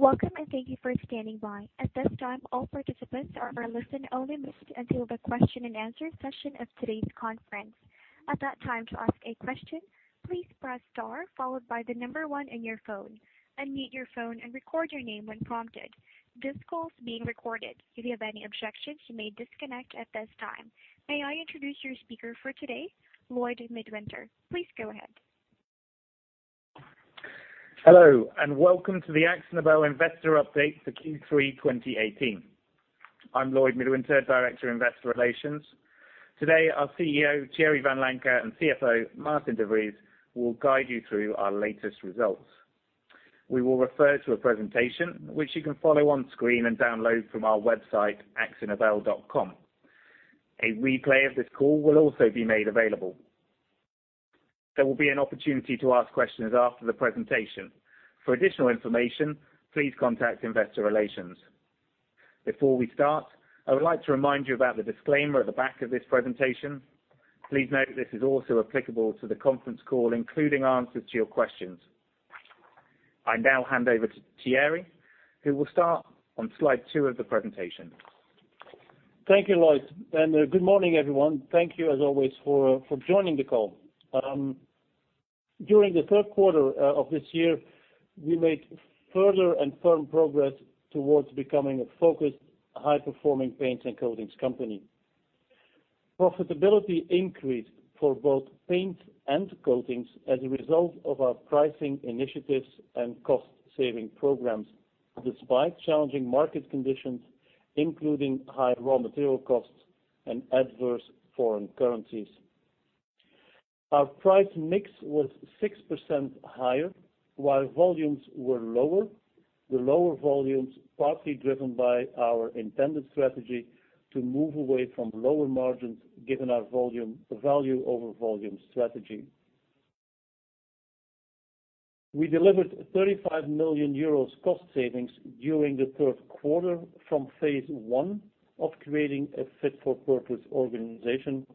Welcome. Thank you for standing by. At this time, all participants are in listen-only mode until the question-and-answer session of today's conference. At that time, to ask a question, please press star followed by the number one on your phone. Unmute your phone and record your name when prompted. This call is being recorded. If you have any objections, you may disconnect at this time. May I introduce your speaker for today, Lloyd Midwinter. Please go ahead. Hello. Welcome to the Akzo Nobel investor update for Q3 2018. I'm Lloyd Midwinter, Director of Investor Relations. Today, our CEO, Thierry Vanlancker, and CFO, Maarten de Vries, will guide you through our latest results. We will refer to a presentation, which you can follow on screen and download from our website, akzonobel.com. A replay of this call will also be made available. There will be an opportunity to ask questions after the presentation. For additional information, please contact investor relations. Before we start, I would like to remind you about the disclaimer at the back of this presentation. Please note this is also applicable to the conference call, including answers to your questions. I now hand over to Thierry, who will start on slide two of the presentation. Thank you, Lloyd. Good morning, everyone. Thank you as always for joining the call. During the third quarter of this year, we made further and firm progress towards becoming a focused, high-performing paints and coatings company. Profitability increased for both paints and coatings as a result of our pricing initiatives and cost-saving programs, despite challenging market conditions, including high raw material costs and adverse foreign currencies. Our price mix was 6% higher, while volumes were lower, the lower volumes partly driven by our intended strategy to move away from lower margins, given our value over volume strategy. We delivered 35 million euros cost savings during the third quarter from phase 1 of creating a fit-for-purpose organization,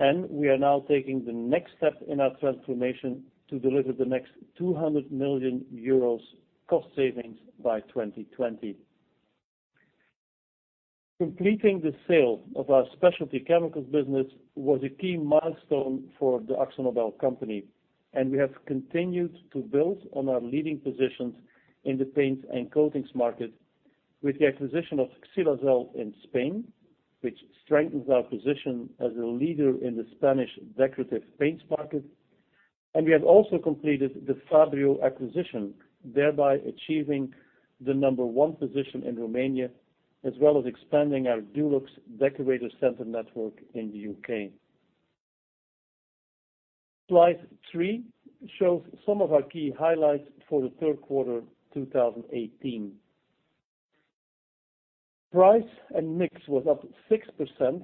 and we are now taking the next step in our transformation to deliver the next 200 million euros cost savings by 2020. Completing the sale of our Specialty Chemicals business was a key milestone for the Akzo Nobel company. We have continued to build on our leading positions in the paints and coatings market with the acquisition of Xylazel in Spain, which strengthens our position as a leader in the Spanish Decorative Paints market. We have also completed the Fabryo acquisition, thereby achieving the number one position in Romania, as well as expanding our Dulux Decorator Centre network in the U.K. Slide three shows some of our key highlights for the third quarter 2018. Price and mix was up 6%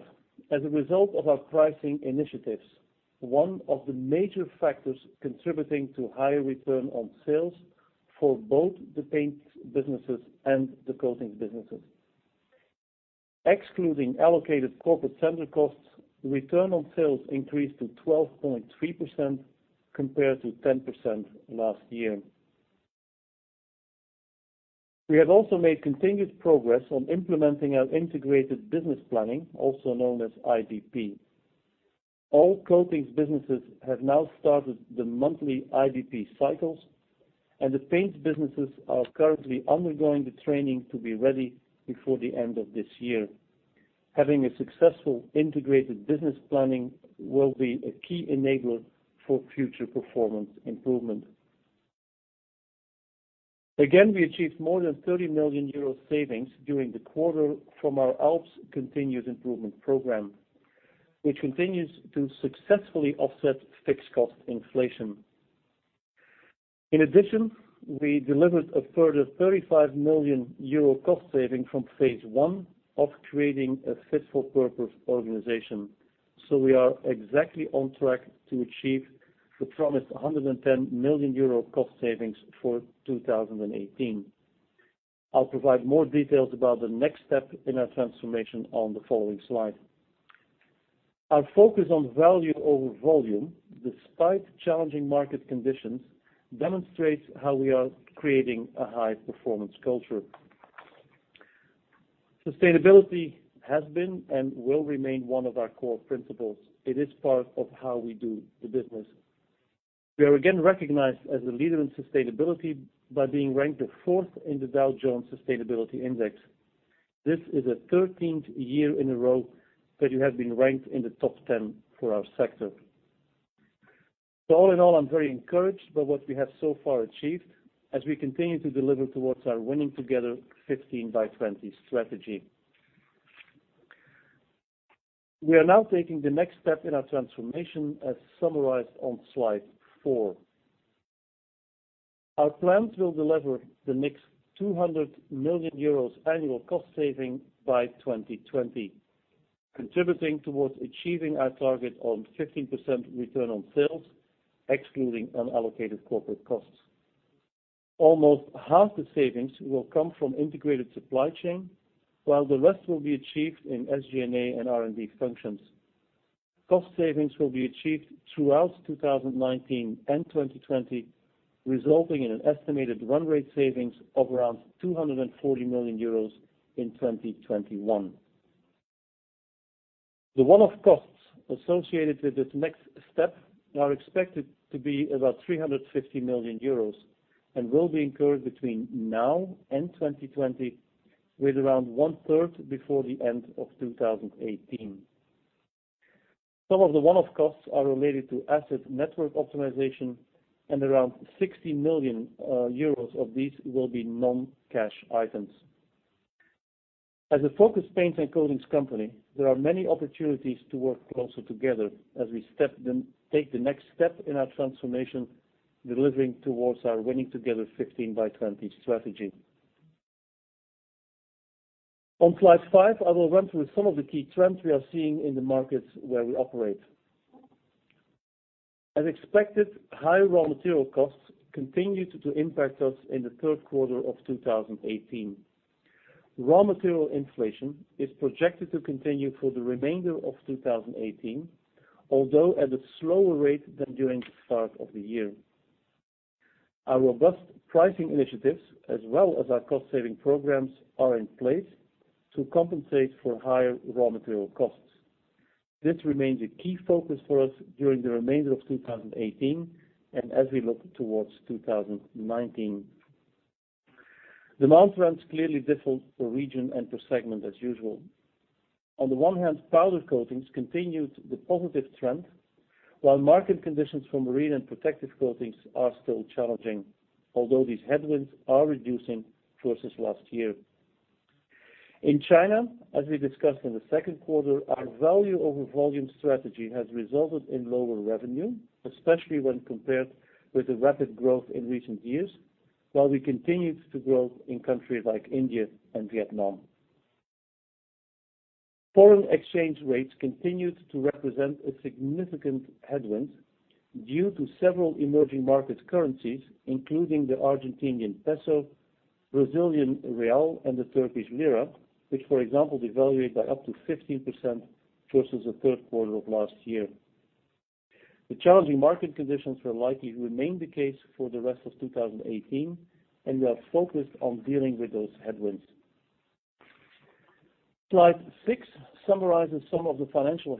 as a result of our pricing initiatives, one of the major factors contributing to higher return on sales for both the paints businesses and the coatings businesses. Excluding allocated corporate center costs, return on sales increased to 12.3% compared to 10% last year. We have also made continued progress on implementing our integrated business planning, also known as IBP. All coatings businesses have now started the monthly IBP cycles, and the paints businesses are currently undergoing the training to be ready before the end of this year. Having a successful integrated business planning will be a key enabler for future performance improvement. Again, we achieved more than 30 million euros savings during the quarter from our ALPS continuous improvement program, which continues to successfully offset fixed cost inflation. In addition, we delivered a further 35 million euro cost saving from phase one of creating a fit-for-purpose organization. We are exactly on track to achieve the promised 110 million euro cost savings for 2018. I'll provide more details about the next step in our transformation on the following slide. Our focus on value over volume, despite challenging market conditions, demonstrates how we are creating a high performance culture. Sustainability has been and will remain one of our core principles. It is part of how we do the business. We are again recognized as a leader in sustainability by being ranked the fourth in the Dow Jones Sustainability Index. This is the 13th year in a row that we have been ranked in the top 10 for our sector. All in all, I'm very encouraged by what we have so far achieved as we continue to deliver towards our Winning together 15 by 20 strategy. We are now taking the next step in our transformation, as summarized on slide four. Our plans will deliver the next 200 million euros annual cost saving by 2020, contributing towards achieving our target on 15% return on sales, excluding unallocated corporate costs. Almost half the savings will come from integrated supply chain, while the rest will be achieved in SG&A and R&D functions. Cost savings will be achieved throughout 2019 and 2020, resulting in an estimated run rate savings of around 240 million euros in 2021. The one-off costs associated with this next step are expected to be about 350 million euros and will be incurred between now and 2020, with around one-third before the end of 2018. Some of the one-off costs are related to asset network optimization, and around 60 million euros of these will be non-cash items. As a focused paints and coatings company, there are many opportunities to work closer together as we take the next step in our transformation, delivering towards our Winning together 15 by 20 strategy. On slide five, I will run through some of the key trends we are seeing in the markets where we operate. As expected, high raw material costs continued to impact us in the third quarter of 2018. Raw material inflation is projected to continue for the remainder of 2018, although at a slower rate than during the start of the year. Our robust pricing initiatives, as well as our cost-saving programs, are in place to compensate for higher raw material costs. This remains a key focus for us during the remainder of 2018 and as we look towards 2019. Demand trends clearly differ per region and per segment as usual. On the one hand, Powder Coatings continued the positive trend, while market conditions for Marine Coatings and Protective Coatings are still challenging, although these headwinds are reducing versus last year. In China, as we discussed in the second quarter, our value over volume strategy has resulted in lower revenue, especially when compared with the rapid growth in recent years, while we continued to grow in countries like India and Vietnam. Foreign exchange rates continued to represent a significant headwind due to several emerging market currencies, including the Argentinian peso, Brazilian real, and the Turkish lira, which, for example, devalued by up to 15% versus the third quarter of last year. The challenging market conditions are likely to remain the case for the rest of 2018, and we are focused on dealing with those headwinds. Slide six summarizes some of the financial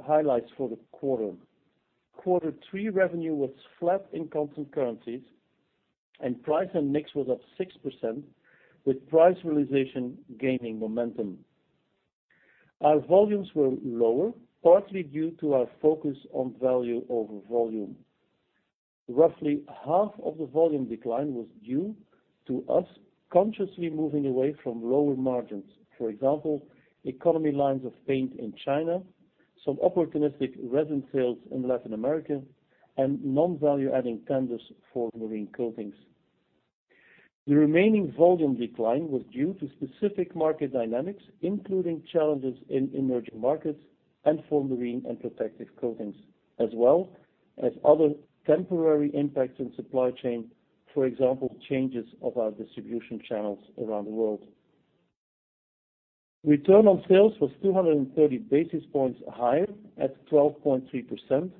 highlights for the quarter. Quarter three revenue was flat in constant currencies, and price and mix were up 6%, with price realization gaining momentum. Our volumes were lower, partly due to our focus on value over volume. Roughly half of the volume decline was due to us consciously moving away from lower margins. For example, economy lines of paint in China, some opportunistic resin sales in Latin America, and non-value-adding tenders for Marine Coatings. The remaining volume decline was due to specific market dynamics, including challenges in emerging markets and for Marine and Protective Coatings, as well as other temporary impacts in supply chain. For example, changes of our distribution channels around the world. Return on sales was 230 basis points higher at 12.3%,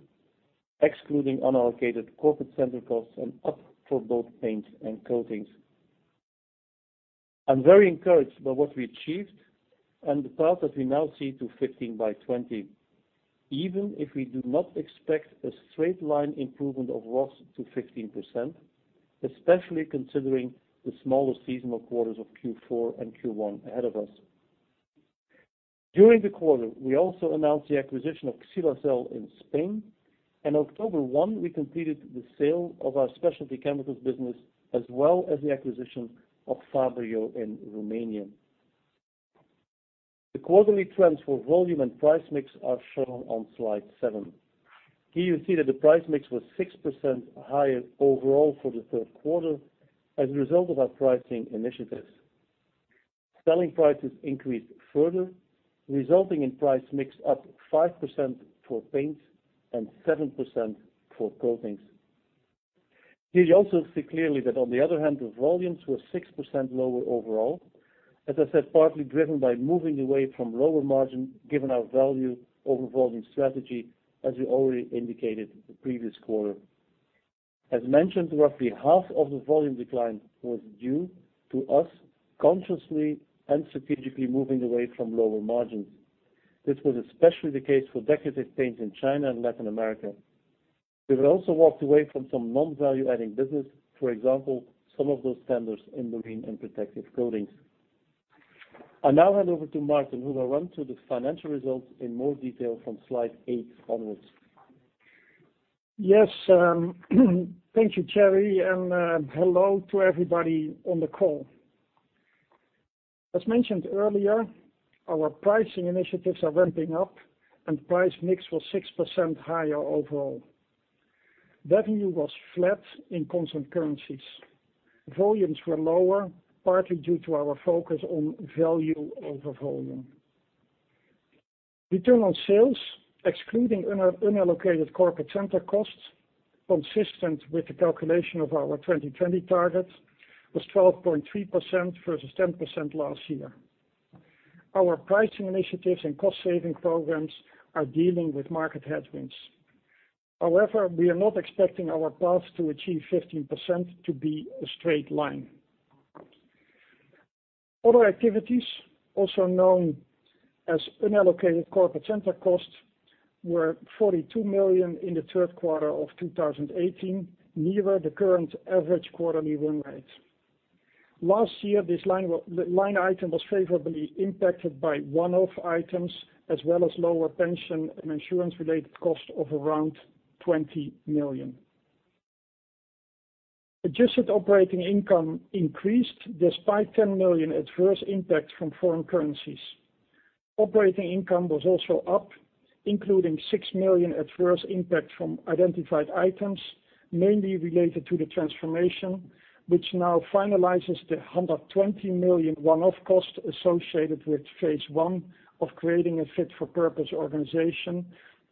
excluding unallocated corporate center costs and up for both paints and coatings. I am very encouraged by what we achieved and the path that we now see to 15 by 20, even if we do not expect a straight line improvement of ROS to 15%, especially considering the smaller seasonal quarters of Q4 and Q1 ahead of us. During the quarter, we also announced the acquisition of Xylazel in Spain, and October 1, we completed the sale of our Specialty Chemicals business, as well as the acquisition of Fabryo in Romania. The quarterly trends for volume and price mix are shown on slide seven. Here you see that the price mix was 6% higher overall for the third quarter as a result of our pricing initiatives. Selling prices increased further, resulting in price mix up 5% for paints and 7% for coatings. Here you also see clearly that on the other hand, the volumes were 6% lower overall, as I said, partly driven by moving away from lower margin, given our value over volume strategy, as we already indicated the previous quarter. As mentioned, roughly half of the volume decline was due to us consciously and strategically moving away from lower margins. This was especially the case for Decorative Paints in China and Latin America. We have also walked away from some non-value-adding business, for example, some of those tenders in Marine and Protective Coatings. I now hand over to Martin, who will run through the financial results in more detail from slide eight onwards. Yes. Thank you, Thierry, and hello to everybody on the call. As mentioned earlier, our pricing initiatives are ramping up, and price mix was 6% higher overall. Revenue was flat in constant currencies. Volumes were lower, partly due to our focus on value over volume. Return on sales, excluding unallocated corporate center costs, consistent with the calculation of our 2020 target, was 12.3% versus 10% last year. Our pricing initiatives and cost-saving programs are dealing with market headwinds. However, we are not expecting our path to achieve 15% to be a straight line. Other activities, also known as unallocated corporate center costs, were 42 million in the third quarter of 2018, nearer the current average quarterly run rate. Last year, this line item was favorably impacted by one-off items, as well as lower pension and insurance-related costs of around 20 million. Adjusted operating income increased despite 10 million adverse impact from foreign currencies. Operating income was also up, including 6 million adverse impact from identified items, mainly related to the transformation, which now finalizes the 120 million one-off cost associated with phase 1 of creating a fit-for-purpose organization,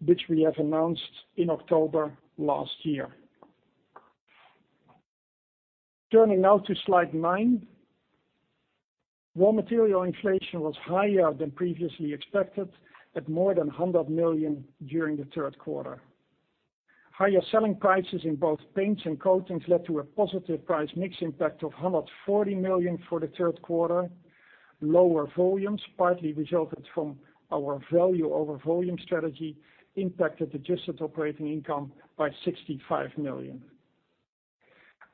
which we have announced in October last year. Turning now to slide nine. Raw material inflation was higher than previously expected, at more than 100 million during the third quarter. Higher selling prices in both paints and coatings led to a positive price mix impact of 140 million for the third quarter. Lower volumes, partly resulted from our value over volume strategy, impacted adjusted operating income by 65 million.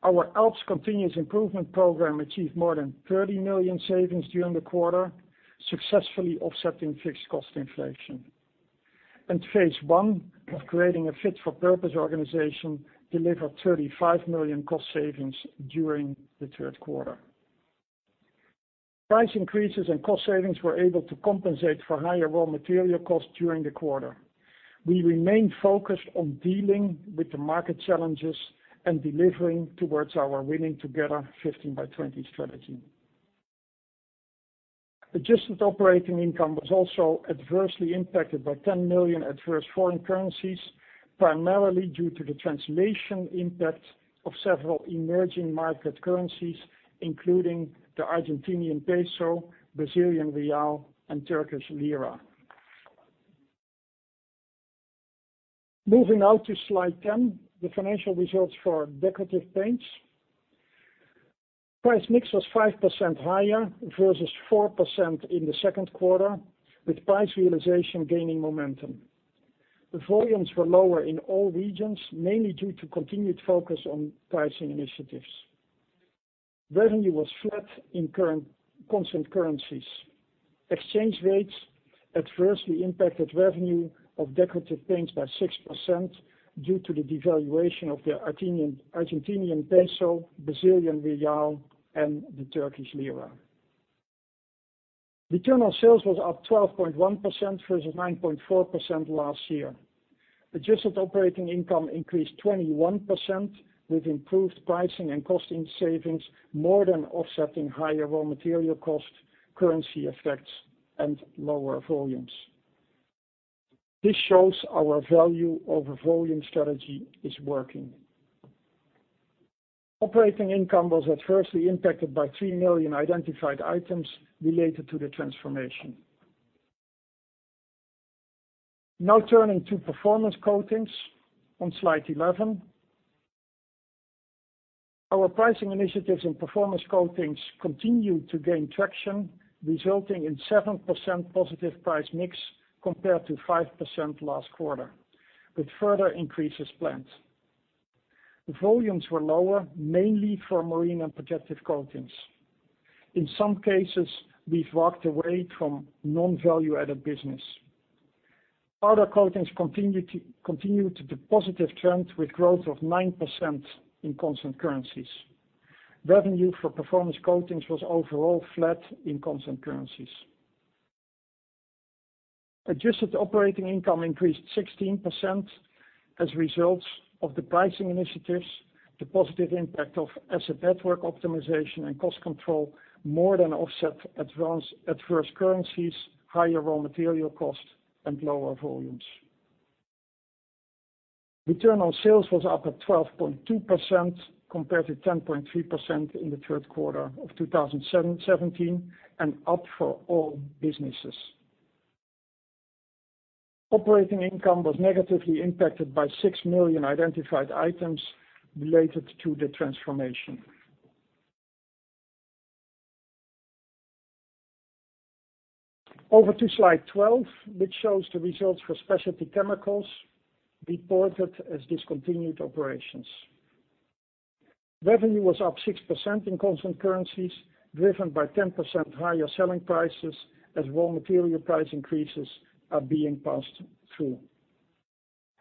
Our ALPS continuous improvement program achieved more than 30 million savings during the quarter, successfully offsetting fixed cost inflation. Phase 1 of creating a fit-for-purpose organization delivered 35 million cost savings during the third quarter. Price increases and cost savings were able to compensate for higher raw material costs during the quarter. We remain focused on dealing with the market challenges and delivering towards our Winning Together 15 by 20 strategy. Adjusted operating income was also adversely impacted by 10 million adverse foreign currencies, primarily due to the translation impact of several emerging market currencies, including the Argentinian peso, Brazilian real, and Turkish lira. Moving now to slide 10, the financial results for Decorative Paints. Price mix was 5% higher versus 4% in the second quarter, with price realization gaining momentum. The volumes were lower in all regions, mainly due to continued focus on pricing initiatives. Revenue was flat in constant currencies. Exchange rates adversely impacted revenue of Decorative Paints by 6% due to the devaluation of the Argentinian peso, Brazilian real, and the Turkish lira. Return on sales was up 12.1% versus 9.4% last year. Adjusted operating income increased 21%, with improved pricing and costing savings more than offsetting higher raw material cost, currency effects, and lower volumes. This shows our value over volume strategy is working. Operating income was adversely impacted by 3 million identified items related to the transformation. Turning to Performance Coatings on slide 11. Our pricing initiatives and Performance Coatings continued to gain traction, resulting in 7% positive price mix compared to 5% last quarter, with further increases planned. Volumes were lower mainly for Marine Coatings and Protective Coatings. In some cases, we've walked away from non-value-added business. Powder Coatings continued the positive trend with growth of 9% in constant currencies. Revenue for Performance Coatings was overall flat in constant currencies. Adjusted operating income increased 16% as results of the pricing initiatives, the positive impact of asset network optimization and cost control more than offset adverse currencies, higher raw material costs, and lower volumes. Return on Sales was up at 12.2% compared to 10.3% in the third quarter of 2017, and up for all businesses. Operating income was negatively impacted by 6 million identified items related to the transformation. Over to slide 12, which shows the results for Specialty Chemicals reported as discontinued operations. Revenue was up 6% in constant currencies, driven by 10% higher selling prices as raw material price increases are being passed through.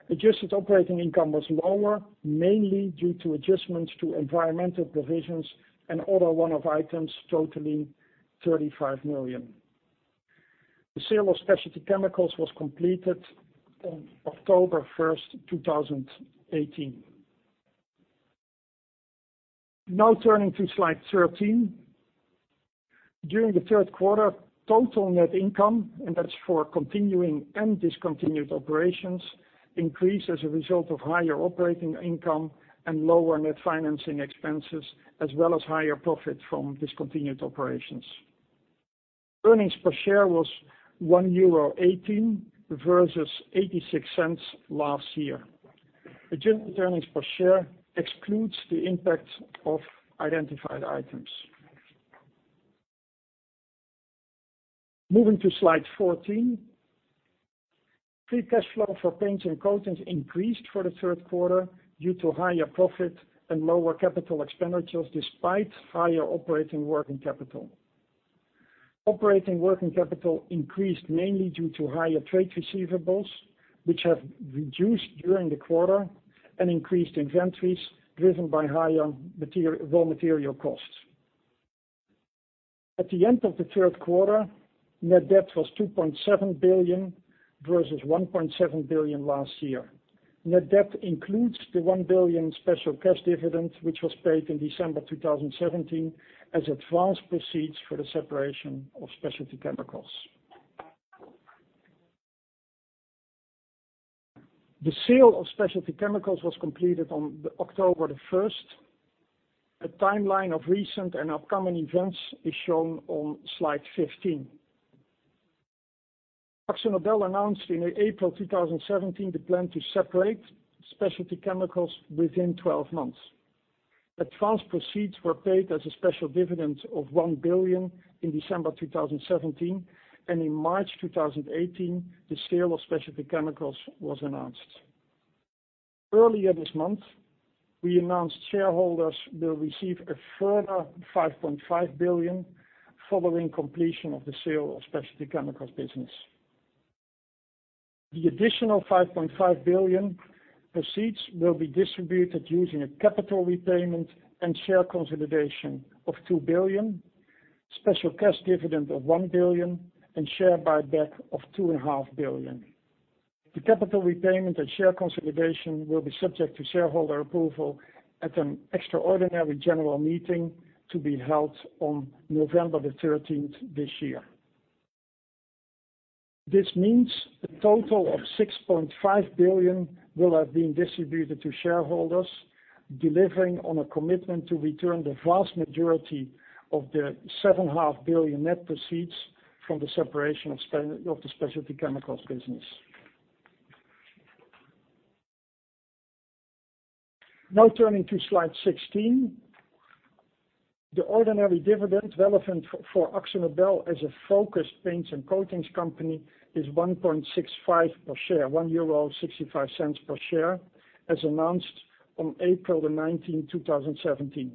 Adjusted operating income was lower, mainly due to adjustments to environmental provisions and other one-off items totaling 35 million. The sale of Specialty Chemicals was completed on October 1st, 2018. Turning to slide 13. During the third quarter, total net income, that's for continuing and discontinued operations, increased as a result of higher operating income and lower net financing expenses, as well as higher profit from discontinued operations. Earnings per share was 1.18 euro versus 0.86 last year. Adjusted earnings per share excludes the impact of identified items. Moving to slide 14. Free cash flow for paints and coatings increased for the third quarter due to higher profit and lower capital expenditures, despite higher operating working capital. Operating working capital increased mainly due to higher trade receivables, which have reduced during the quarter, and increased inventories driven by higher raw material costs. At the end of the third quarter, net debt was 2.7 billion, versus 1.7 billion last year. Net debt includes the 1 billion special cash dividend, which was paid in December 2017 as advance proceeds for the separation of Specialty Chemicals. The sale of Specialty Chemicals was completed on October 1st. A timeline of recent and upcoming events is shown on slide 15. Akzo Nobel announced in April 2017 the plan to separate Specialty Chemicals within 12 months. Advance proceeds were paid as a special dividend of 1 billion in December 2017. In March 2018, the sale of Specialty Chemicals was announced. Earlier this month, we announced shareholders will receive a further 5.5 billion following completion of the sale of Specialty Chemicals business. The additional 5.5 billion proceeds will be distributed using a capital repayment and share consolidation of 2 billion, special cash dividend of 1 billion, and share buyback of 2.5 billion. The capital repayment and share consolidation will be subject to shareholder approval at an extraordinary general meeting to be held on November the 13th this year. This means a total of 6.5 billion will have been distributed to shareholders, delivering on a commitment to return the vast majority of the 7.5 billion net proceeds from the separation of the Specialty Chemicals business. Turning to slide 16. The ordinary dividend relevant for Akzo Nobel as a focused paints and coatings company is 1.65 per share, 1.65 euro per share, as announced on April the 19th, 2017.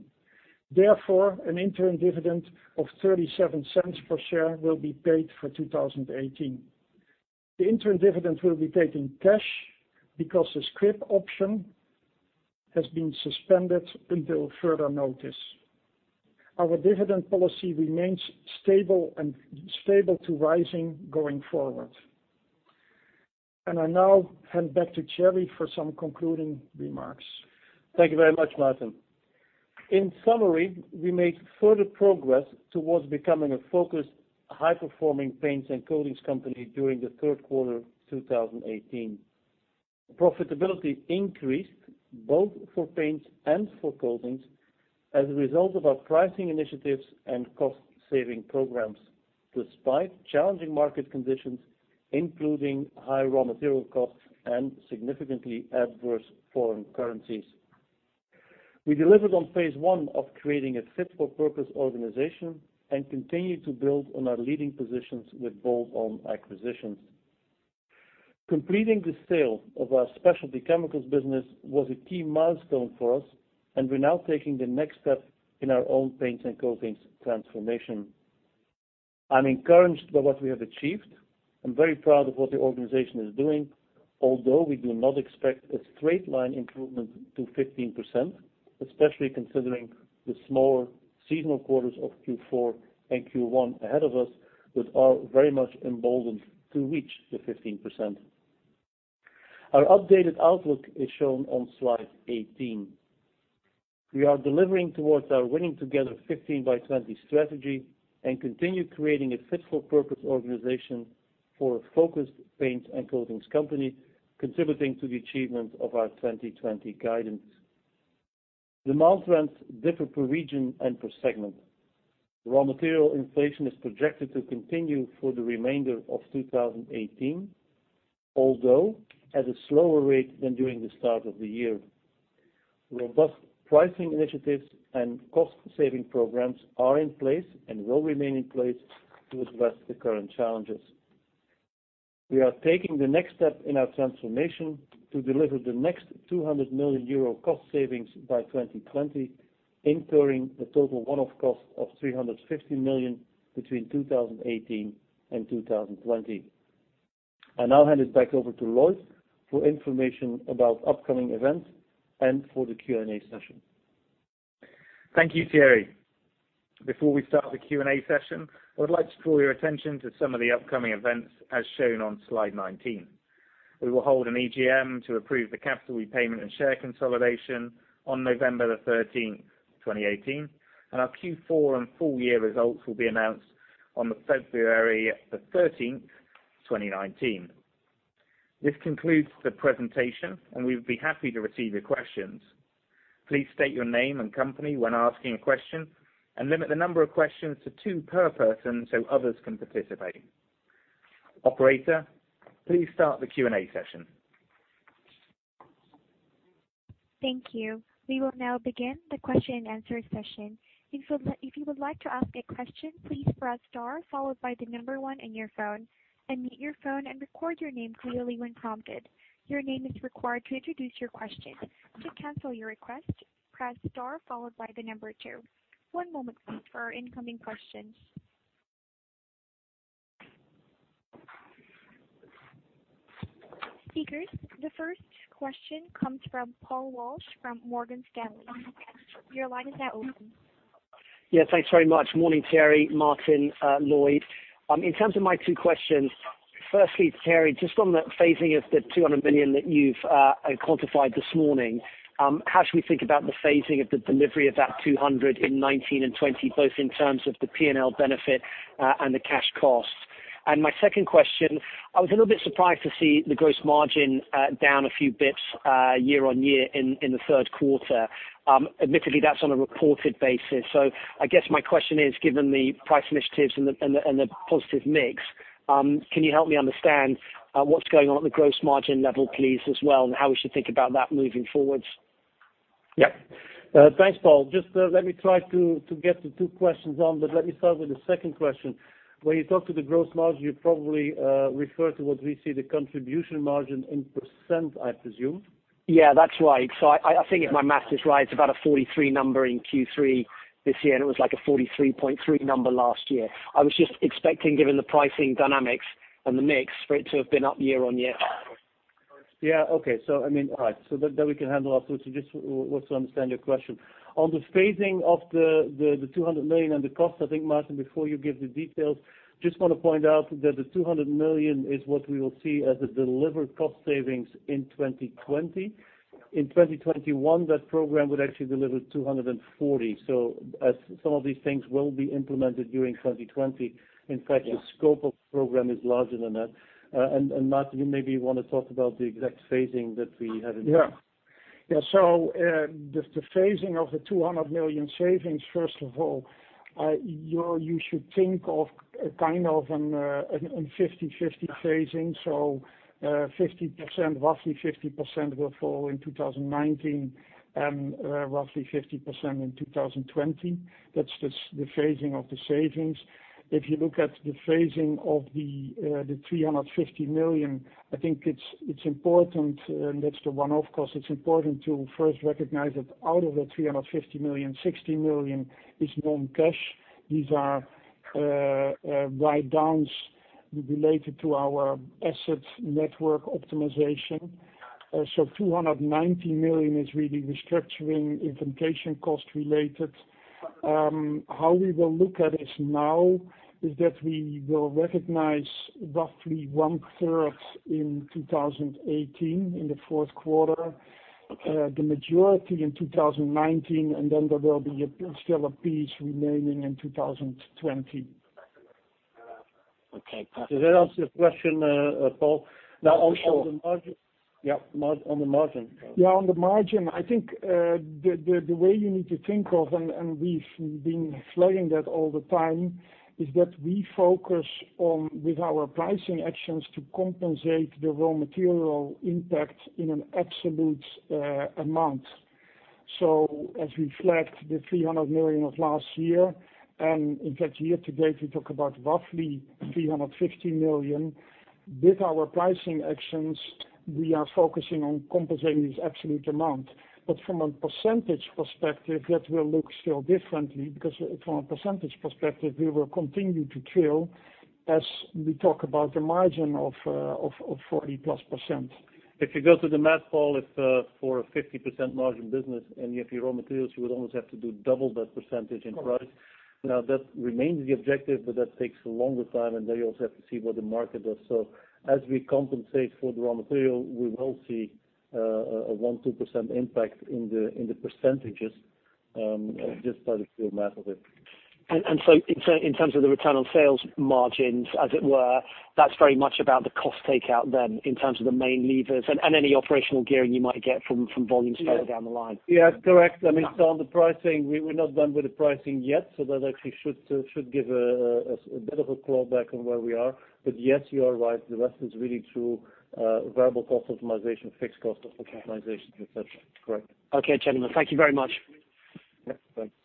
Therefore, an interim dividend of 0.37 per share will be paid for 2018. The interim dividend will be paid in cash because the scrip option has been suspended until further notice. Our dividend policy remains stable to rising going forward. I now hand back to Thierry for some concluding remarks. Thank you very much, Martin. In summary, we made further progress towards becoming a focused, high-performing paints and coatings company during the third quarter 2018. Profitability increased both for paints and for coatings as a result of our pricing initiatives and cost-saving programs, despite challenging market conditions, including high raw material costs and significantly adverse foreign currencies. We delivered on phase one of creating a fit-for-purpose organization and continue to build on our leading positions with bolt-on acquisitions. Completing the sale of our Specialty Chemicals business was a key milestone for us. We're now taking the next step in our own paints and coatings transformation. I'm encouraged by what we have achieved and very proud of what the organization is doing. Although we do not expect a straight line improvement to 15%, especially considering the smaller seasonal quarters of Q4 and Q1 ahead of us, but are very much emboldened to reach the 15%. Our updated outlook is shown on slide 18. We are delivering towards our Winning Together: 15 by 20 strategy and continue creating a fit-for-purpose organization for a focused paints and coatings company, contributing to the achievement of our 2020 guidance. Demand trends differ per region and per segment. Raw material inflation is projected to continue for the remainder of 2018, although at a slower rate than during the start of the year. Robust pricing initiatives and cost-saving programs are in place and will remain in place to address the current challenges. We are taking the next step in our transformation to deliver the next 200 million euro cost savings by 2020, incurring a total one-off cost of 350 million between 2018 and 2020. I now hand it back over to Lloyd for information about upcoming events and for the Q&A session. Thank you, Thierry Before we start the Q&A session, I would like to draw your attention to some of the upcoming events as shown on slide 19. We will hold an EGM to approve the capital repayment and share consolidation on November 13th, 2018, and our Q4 and full year results will be announced on February 13th, 2019. This concludes the presentation and we would be happy to receive your questions. Please state your name and company when asking a question, and limit the number of questions to two per person so others can participate. Operator, please start the Q&A session. Thank you. We will now begin the question and answer session. If you would like to ask a question, please press star followed by the number one on your phone. Unmute your phone and record your name clearly when prompted. Your name is required to introduce your question. To cancel your request, press star followed by the number two. One moment please, for our incoming questions. Speakers, the first question comes from Paul Walsh from Morgan Stanley. Your line is now open. Thanks very much. Morning, Thierry, Maarten, Lloyd. In terms of my two questions, firstly, Thierry, just on the phasing of the 200 million that you've quantified this morning, how should we think about the phasing of the delivery of that 200 in 2019 and 2020, both in terms of the P&L benefit, and the cash cost? My second question, I was a little bit surprised to see the gross margin down a few bits year-over-year in the third quarter. Admittedly, that's on a reported basis. I guess my question is, given the price initiatives and the positive mix, can you help me understand what's going on at the gross margin level, please, as well, and how we should think about that moving forwards? Thanks, Paul. Just let me try to get the two questions on, but let me start with the second question. When you talk to the gross margin, you probably refer to what we see the contribution margin in %, I presume. Yeah, that's right. I think if my math is right, it's about a 43 number in Q3 this year, and it was like a 43.3 number last year. I was just expecting, given the pricing dynamics and the mix, for it to have been up year-on-year. Yeah. Okay. All right. That we can handle also to just want to understand your question. On the phasing of the 200 million and the cost, I think, Martin, before you give the details, just want to point out that the 200 million is what we will see as the delivered cost savings in 2020. In 2021, that program would actually deliver 240 million. As some of these things will be implemented during 2020, in fact, the scope of the program is larger than that. Martin, you maybe want to talk about the exact phasing that we have in mind. Yeah. The phasing of the 200 million savings, first of all, you should think of a kind of a 50/50 phasing. Roughly 50% will fall in 2019 and roughly 50% in 2020. That's the phasing of the savings. If you look at the phasing of the 350 million, I think it's important, and that's the one-off cost. It's important to first recognize that out of the 350 million, 60 million is non-cash. These are write-downs related to our assets network optimization. 290 million is really restructuring implementation cost related. How we will look at this now is that we will recognize roughly one third in 2018 in the fourth quarter, the majority in 2019, and then there will be still a piece remaining in 2020. Okay. Did that answer your question, Paul? For sure. On the margin. On the margin. On the margin, I think, the way you need to think of, and we've been flagging that all the time, is that we focus on, with our pricing actions, to compensate the raw material impact in an absolute amount. As we flagged the 300 million of last year, and in fact, year to date, we talk about roughly 350 million. With our pricing actions, we are focusing on compensating this absolute amount. From a percentage perspective, that will look still differently because from a percentage perspective, we will continue to trail as we talk about the margin of 40+%. If you go to the math, Paul, if for a 50% margin business and if your raw materials, you would almost have to do double that percentage in price. That remains the objective, but that takes a longer time, and there you also have to see what the market does. As we compensate for the raw material, we will see a 1%, 2% impact in the percentages, just by the pure math of it. In terms of the Return on Sales margins, as it were, that's very much about the cost takeout then in terms of the main levers and any operational gearing you might get from volumes further down the line. Yeah, correct. On the pricing, we're not done with the pricing yet, that actually should give a bit of a clawback on where we are. Yes, you are right. The rest is really through variable cost optimization, fixed cost optimization, et cetera. Correct. Okay, gentlemen. Thank you very much. Yeah, thanks. Speakers,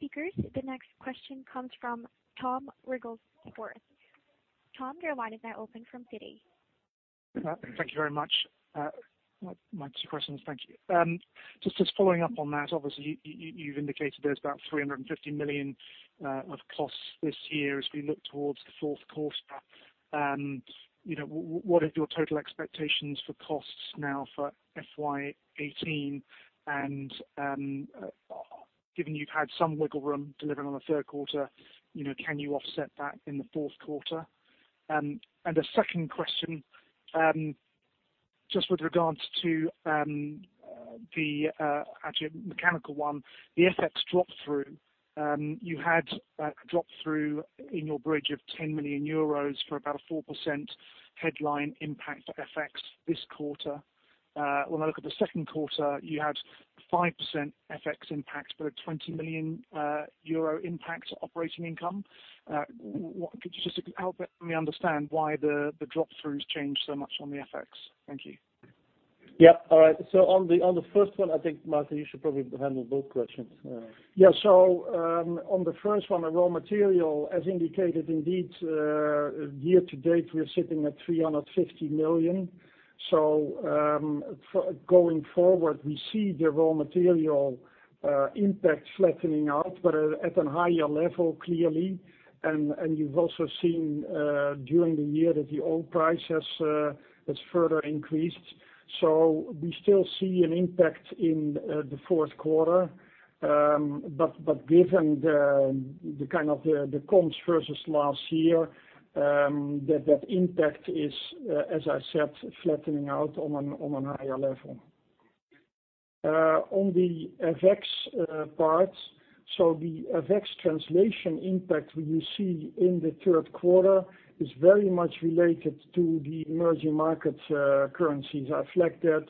the next question comes from Thomas Wrigglesworth. Tom, your line is now open from Citigroup. Thank you very much. My two questions. Thank you. Just as following up on that, obviously you've indicated there's about 350 million of costs this year as we look towards the fourth quarter. What are your total expectations for costs now for FY 2018? Given you've had some wiggle room delivering on the third quarter, can you offset that in the fourth quarter? A second question, just with regards to the actual mechanical one, the FX drop-through. You had a drop-through in your bridge of €10 million for about a 4% headline impact to FX this quarter. When I look at the second quarter, you had 5% FX impact, but a €20 million impact to operating income. Could you just help me understand why the drop-throughs change so much on the FX? Thank you. Yeah. All right. On the first one, I think, Martin, you should probably handle both questions. Yeah. On the first one, the raw material, as indicated, indeed, year to date, we are sitting at 350 million. Going forward, we see the raw material impact flattening out, but at a higher level, clearly. You've also seen during the year that the oil price has further increased. We still see an impact in the fourth quarter. Given the comps versus last year, that impact is, as I said, flattening out on a higher level. On the FX part, the FX translation impact you see in the third quarter is very much related to the emerging markets currencies. I flagged that,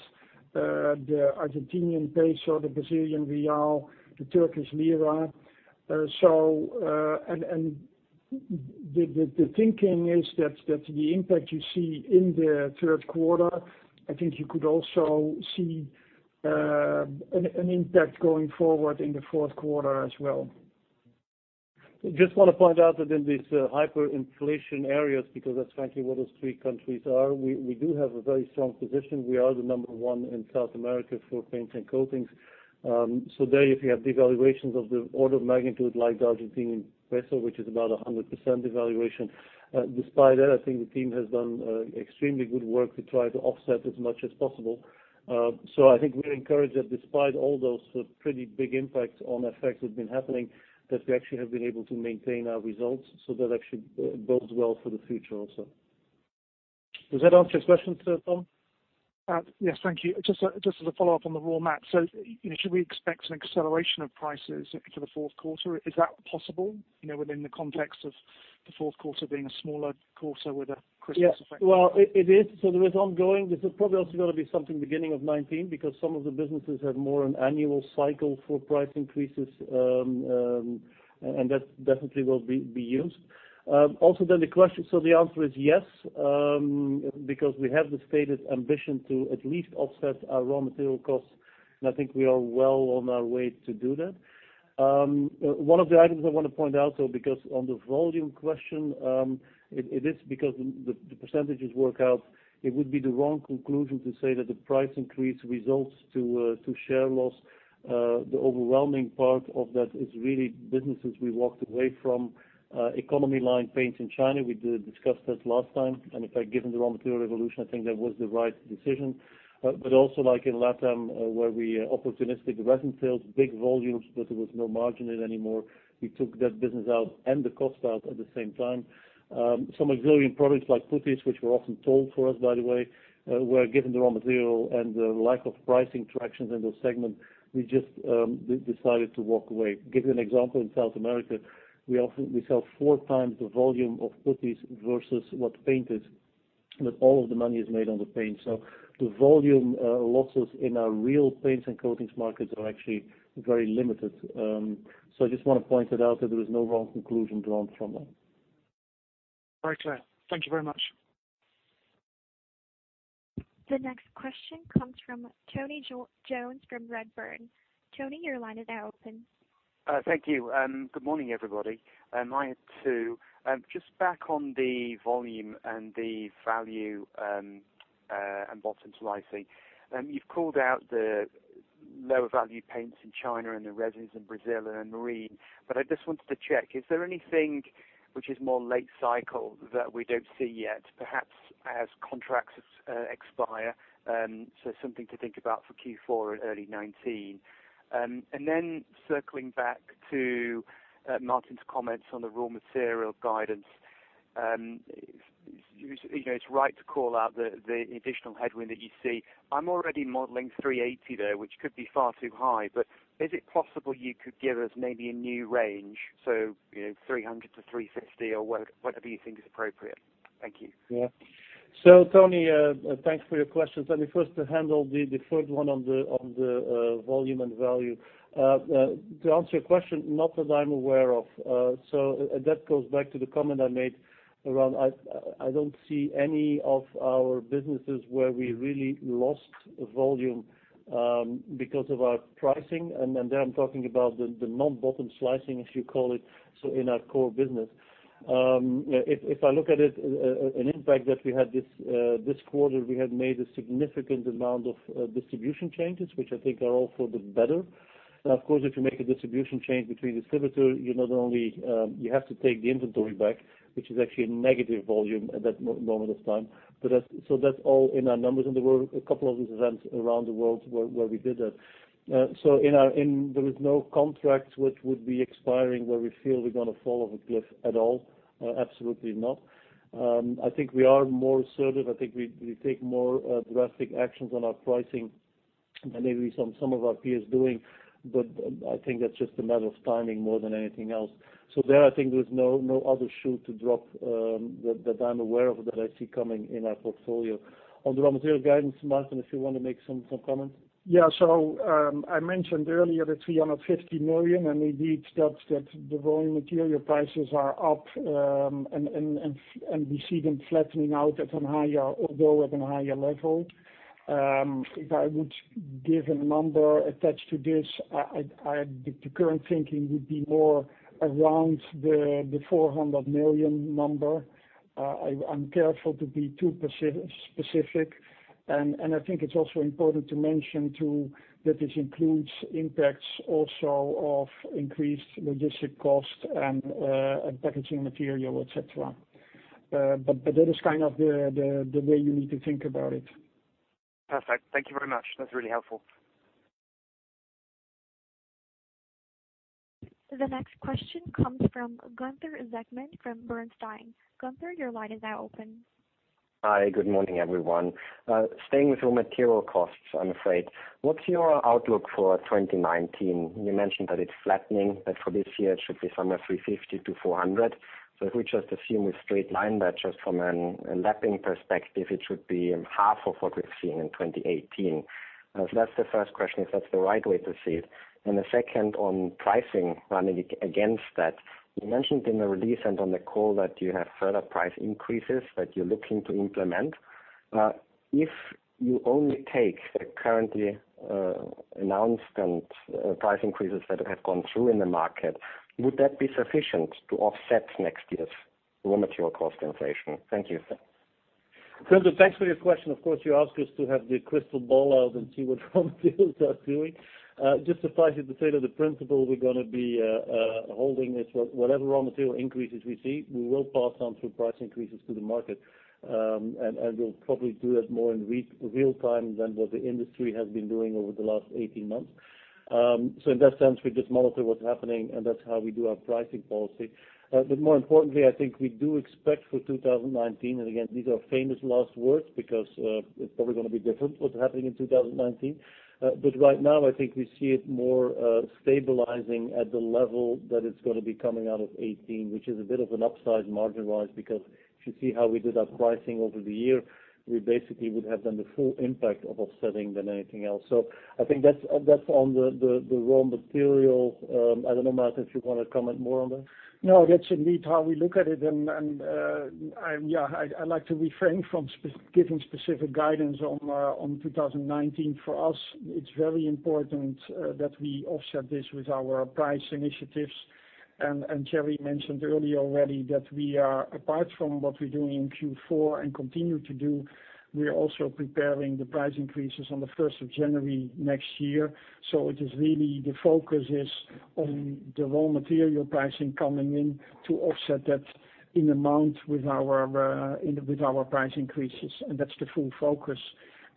the Argentinian peso, the Brazilian real, the Turkish lira. The thinking is that the impact you see in the third quarter, I think you could also see an impact going forward in the fourth quarter as well. Want to point out that in these hyperinflation areas, because that's frankly what those three countries are, we do have a very strong position. We are the number one in South America for paints and coatings. There, if you have devaluations of the order of magnitude like the Argentinian peso, which is about 100% devaluation. Despite that, I think the team has done extremely good work to try to offset as much as possible. I think we're encouraged that despite all those pretty big impacts on FX that have been happening, that we actually have been able to maintain our results. That actually bodes well for the future also. Does that answer your question, Tom? Yes. Thank you. Just as a follow-up on the raw mat. Should we expect an acceleration of prices into the fourth quarter? Is that possible within the context of the fourth quarter being a smaller quarter with a Christmas effect? Well, it is. There is ongoing. This is probably also going to be something beginning of 2019, because some of the businesses have more an annual cycle for price increases, and that definitely will be used. The question, the answer is yes, because we have the stated ambition to at least offset our raw material costs, and I think we are well on our way to do that. One of the items I want to point out, though, because on the volume question, it is because the % work out, it would be the wrong conclusion to say that the price increase results to share loss. The overwhelming part of that is really businesses we walked away from. Economy line paints in China, we discussed this last time, and in fact, given the raw material evolution, I think that was the right decision. Also like in LATAM, where we opportunistically divested big volumes, but there was no margin in it anymore. We took that business out and the cost out at the same time. Some auxiliary products like putties, which were often told for us, by the way, where given the raw material and the lack of pricing traction in those segments, we just decided to walk away. Give you an example, in South America, we sell four times the volume of putties versus what paint is. All of the money is made on the paint. The volume losses in our real paints and coatings markets are actually very limited. I just want to point it out that there is no wrong conclusion drawn from that. Very clear. Thank you very much. The next question comes from Tony Jones from Redburn. Tony, your line is now open. Thank you. Good morning, everybody. I had two. Just back on the volume and the value and bottom slicing. You've called out the lower value paints in China and the resins in Brazil and marine, but I just wanted to check, is there anything which is more late cycle that we don't see yet, perhaps as contracts expire? Something to think about for Q4 and early 2019. Then circling back to Martin Evans's comments on the raw material guidance. It's right to call out the additional headwind that you see. I'm already modeling 380 there, which could be far too high, but is it possible you could give us maybe a new range, 300-360 or whatever you think is appropriate? Thank you. Tony, thanks for your questions. Let me first handle the third one on the volume and value. To answer your question, not that I'm aware of. That goes back to the comment I made around I don't see any of our businesses where we really lost volume because of our pricing, and there I'm talking about the non-bottom slicing, as you call it, so in our core business. If I look at it, an impact that we had this quarter, we had made a significant amount of distribution changes, which I think are all for the better. Of course, if you make a distribution change between distributors, you have to take the inventory back, which is actually a negative volume at that moment of time. That's all in our numbers, and there were a couple of these events around the world where we did that. There is no contracts which would be expiring where we feel we're going to fall off a cliff at all. Absolutely not. I think we are more assertive. I think we take more drastic actions on our pricing maybe some of our peers doing, but I think that's just a matter of timing more than anything else. There, I think there's no other shoe to drop that I'm aware of that I see coming in our portfolio. On the raw material guidance, Martin, if you want to make some comments. Yeah. I mentioned earlier the 350 million, indeed that the raw material prices are up, and we see them flattening out although at a higher level. If I would give a number attached to this, the current thinking would be more around the 400 million. I'm careful to be too specific, and I think it's also important to mention too that this includes impacts also of increased logistic cost and packaging material, et cetera. That is kind of the way you need to think about it. Perfect. Thank you very much. That's really helpful. The next question comes from Gunther Zechmann from Bernstein. Gunther, your line is now open. Hi, good morning, everyone. Staying with raw material costs, I'm afraid. What's your outlook for 2019? You mentioned that it's flattening, that for this year it should be somewhere 350-400. If we just assume a straight line there, just from a lapping perspective, it should be half of what we've seen in 2018. That's the first question, if that's the right way to see it. The second on pricing, running against that, you mentioned in the release and on the call that you have further price increases that you're looking to implement. If you only take the currently announced and price increases that have gone through in the market, would that be sufficient to offset next year's raw material cost inflation? Thank you. Gunther, thanks for your question. Of course, you ask us to have the crystal ball out and see what raw materials are doing. Just suffice it to say that the principle we're going to be holding is whatever raw material increases we see, we will pass on through price increases to the market. We'll probably do that more in real time than what the industry has been doing over the last 18 months. In that sense, we just monitor what's happening, and that's how we do our pricing policy. More importantly, I think we do expect for 2019, and again, these are famous last words because it's probably going to be different what's happening in 2019. Right now I think we see it more stabilizing at the level that it's going to be coming out of 2018, which is a bit of an upsize margin-wise, because if you see how we did our pricing over the year, we basically would have done the full impact of offsetting than anything else. I think that's on the raw material. I don't know, Maarten, if you want to comment more on that. No, that's indeed how we look at it, and I'd like to refrain from giving specific guidance on 2019. For us, it's very important that we offset this with our price initiatives. Thierry mentioned earlier already that apart from what we're doing in Q4 and continue to do, we are also preparing the price increases on the 1st of January next year. Really the focus is on the raw material pricing coming in to offset that in amount with our price increases, and that's the full focus.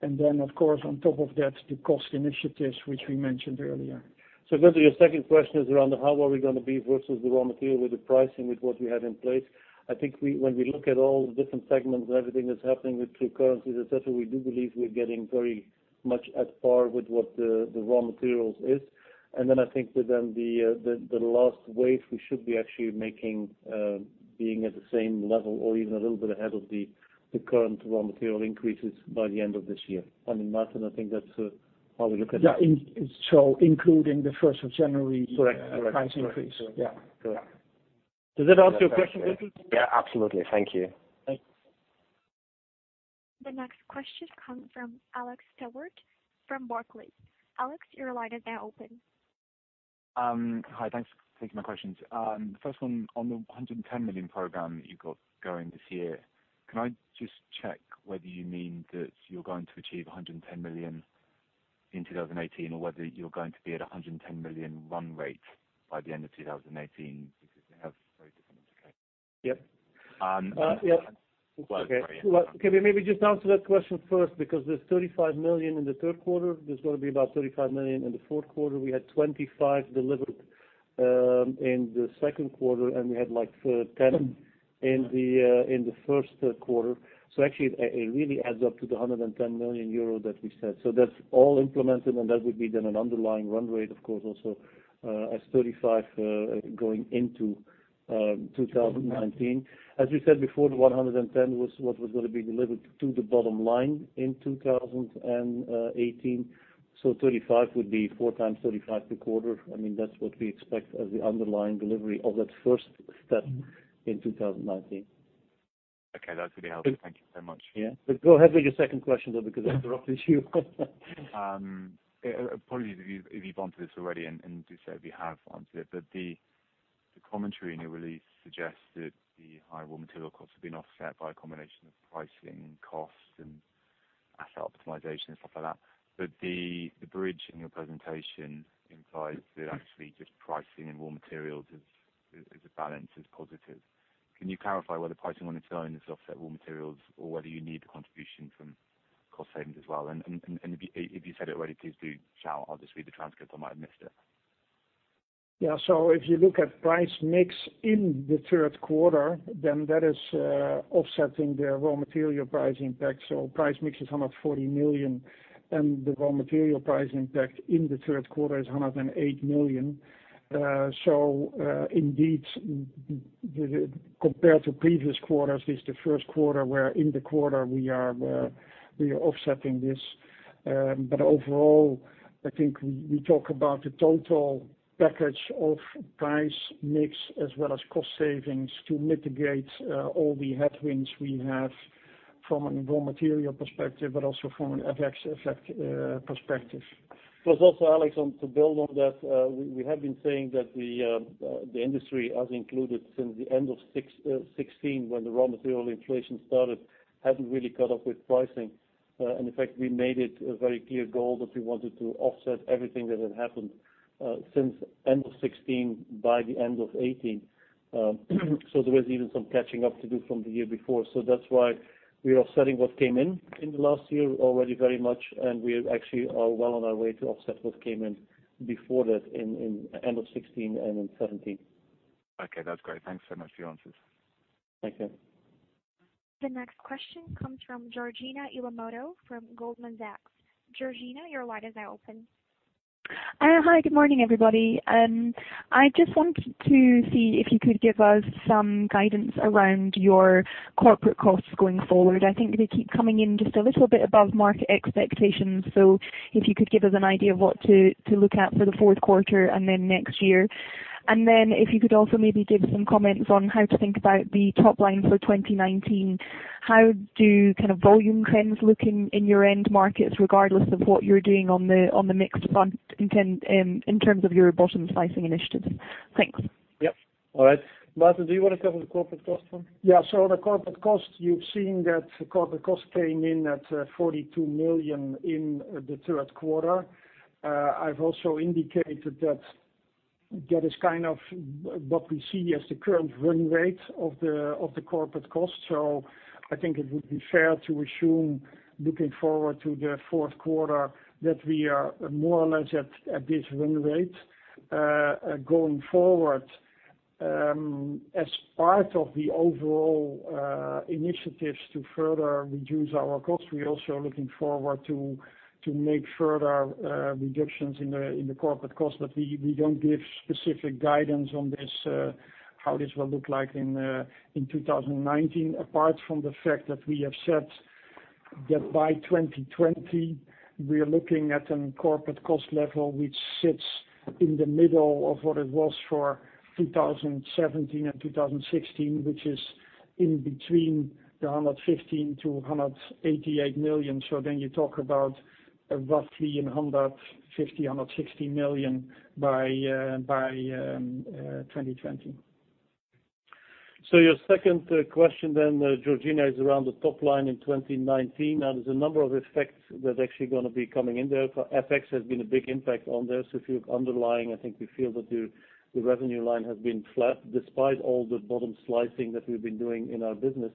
Then of course, on top of that, the cost initiatives which we mentioned earlier. Gunther, your second question is around how are we going to be versus the raw material with the pricing, with what we have in place. I think when we look at all the different segments and everything that's happening with currencies, et cetera, we do believe we're getting very much at par with what the raw materials is. I think with then the last wave, we should be actually being at the same level or even a little bit ahead of the current raw material increases by the end of this year. I mean, Martin, I think that's how we look at it. Yeah. Including the 1st of January price increase. Correct. Yeah. Correct. Does that answer your question, Gunther? Yeah, absolutely. Thank you. Thanks. The next question comes from Alex Stewart from Barclays. Alex, your line is now open. Hi, thanks for taking my questions. First one, on the 110 million program that you've got going this year, can I just check whether you mean that you're going to achieve 110 million in 2018, or whether you're going to be at 110 million run rate by the end of 2018? They have very different implications. Yep. Okay. Well, can we maybe just answer that question first? There's 35 million in the third quarter, there's going to be about 35 million in the fourth quarter. We had 25 delivered in the second quarter, and we had like 10 in the first quarter. Actually it really adds up to the 110 million euro that we said. That's all implemented, and that would be then an underlying run rate, of course, also as 35 going into 2019. As we said before, the 110 was what was going to be delivered to the bottom line in 2018. 35 would be four times 35 per quarter. I mean, that's what we expect as the underlying delivery of that first step in 2019. Okay, that's really helpful. Thank you so much. Yeah. Go ahead with your second question, though, because I interrupted you. Apologies if you've answered this already, and do say if you have answered it, the commentary in your release suggests that the high raw material costs have been offset by a combination of pricing and costs and asset optimization and stuff like that. The bridge in your presentation implies that actually just pricing and raw materials as a balance is positive. Can you clarify whether pricing on its own has offset raw materials, or whether you need the contribution from cost savings as well? If you said it already, please do shout. I'll just read the transcript, I might have missed it. Yeah. If you look at price mix in the third quarter, that is offsetting the raw material price impact. Price mix is 140 million, the raw material price impact in the third quarter is 108 million. Indeed, compared to previous quarters, it's the first quarter where in the quarter we are offsetting this. Overall, I think we talk about the total package of price mix as well as cost savings to mitigate all the headwinds we have from a raw material perspective, also from an FX effect perspective. Plus also, Alex, to build on that, we have been saying that the industry, as included since the end of 2016, when the raw material inflation started, hasn't really caught up with pricing. In fact, we made it a very clear goal that we wanted to offset everything that had happened since end of 2016 by the end of 2018. There was even some catching up to do from the year before. That's why we are offsetting what came in in the last year already very much, we actually are well on our way to offset what came in before that in end of 2016 and in 2017. Okay. That's great. Thanks so much for your answers. Thank you. The next question comes from Georgina Iwamoto from Goldman Sachs. Georgina, your line is now open. Hi, good morning, everybody. I just wanted to see if you could give us some guidance around your corporate costs going forward. I think they keep coming in just a little bit above market expectations. If you could give us an idea of what to look at for the fourth quarter and then next year. If you could also maybe give some comments on how to think about the top line for 2019. How do volume trends look in your end markets, regardless of what you're doing on the mixed front in terms of your bottom slicing initiatives? Thanks. Yep. All right. Maarten, do you want to cover the corporate cost one? Yeah, the corporate cost, you've seen that corporate cost came in at 42 million in the third quarter. I've also indicated that that is kind of what we see as the current run rate of the corporate cost. I think it would be fair to assume, looking forward to the fourth quarter, that we are more or less at this run rate. Going forward, as part of the overall initiatives to further reduce our cost, we also are looking forward to make further reductions in the corporate cost, but we don't give specific guidance on how this will look like in 2019, apart from the fact that we have said that by 2020, we are looking at a corporate cost level which sits in the middle of what it was for 2017 and 2016, which is in between the 115 million-188 million. You talk about roughly 150 million, 160 million by 2020. Your second question then, Georgina, is around the top line in 2019, and there's a number of effects that are actually going to be coming in there. FX has been a big impact on this. If you look underlying, I think we feel that the revenue line has been flat despite all the bottom slicing that we've been doing in our business.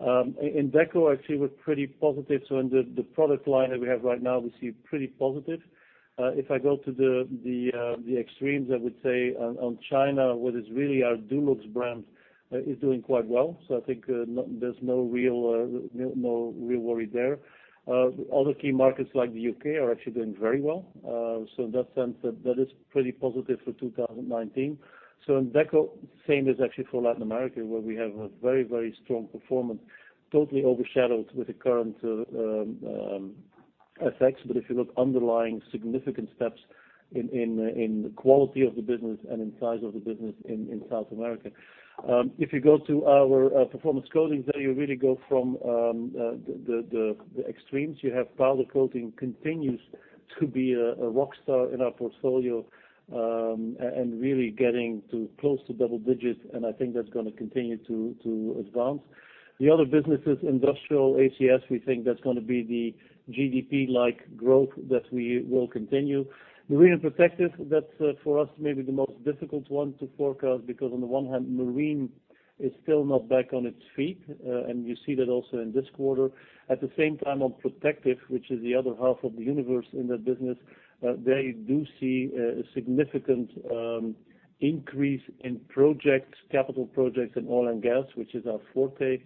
In Deco, actually, we're pretty positive. In the product line that we have right now, we see pretty positive. If I go to the extremes, I would say on China, what is really our Dulux brand is doing quite well. I think there's no real worry there. Other key markets like the U.K. are actually doing very well. In that sense, that is pretty positive for 2019. In Deco, same is actually for Latin America, where we have a very strong performance, totally overshadowed with the current FX. If you look underlying, significant steps in the quality of the business and in size of the business in South America. If you go to our Performance Coatings, there you really go from the extremes. You have Powder Coatings continues to be a rock star in our portfolio, and really getting close to double digits, and I think that's going to continue to advance. The other businesses, Industrial, ACS, we think that's going to be the GDP-like growth that we will continue. Marine and Protective, that for us may be the most difficult one to forecast because on the one hand, Marine is still not back on its feet, and you see that also in this quarter. At the same time on Protective, which is the other half of the universe in that business, there you do see a significant increase in projects, capital projects in oil and gas, which is our forte.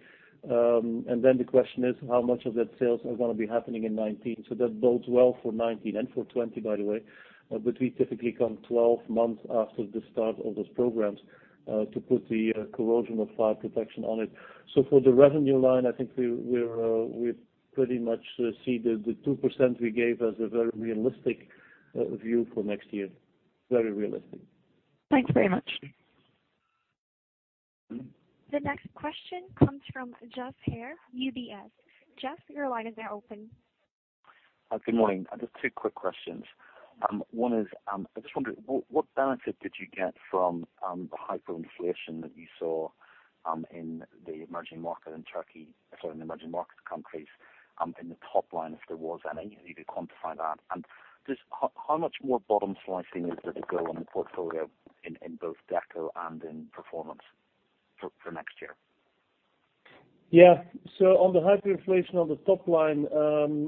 The question is, how much of that sales are going to be happening in 2019? That bodes well for 2019 and for 2020, by the way. We typically come 12 months after the start of those programs to put the corrosion of fire protection on it. For the revenue line, I think we pretty much see the 2% we gave as a very realistic view for next year. Very realistic. Thanks very much. The next question comes from Jeff Hare, UBS. Jeff, your line is now open. Good morning. Just two quick questions. One is, I'm just wondering what benefit did you get from the hyperinflation that you saw in the emerging market in Turkey, sorry, in the emerging market countries, in the top line, if there was any? If you could quantify that. Just how much more bottom slicing is there to go in the portfolio in both Deco and in Performance for next year? Yeah. On the hyperinflation on the top line,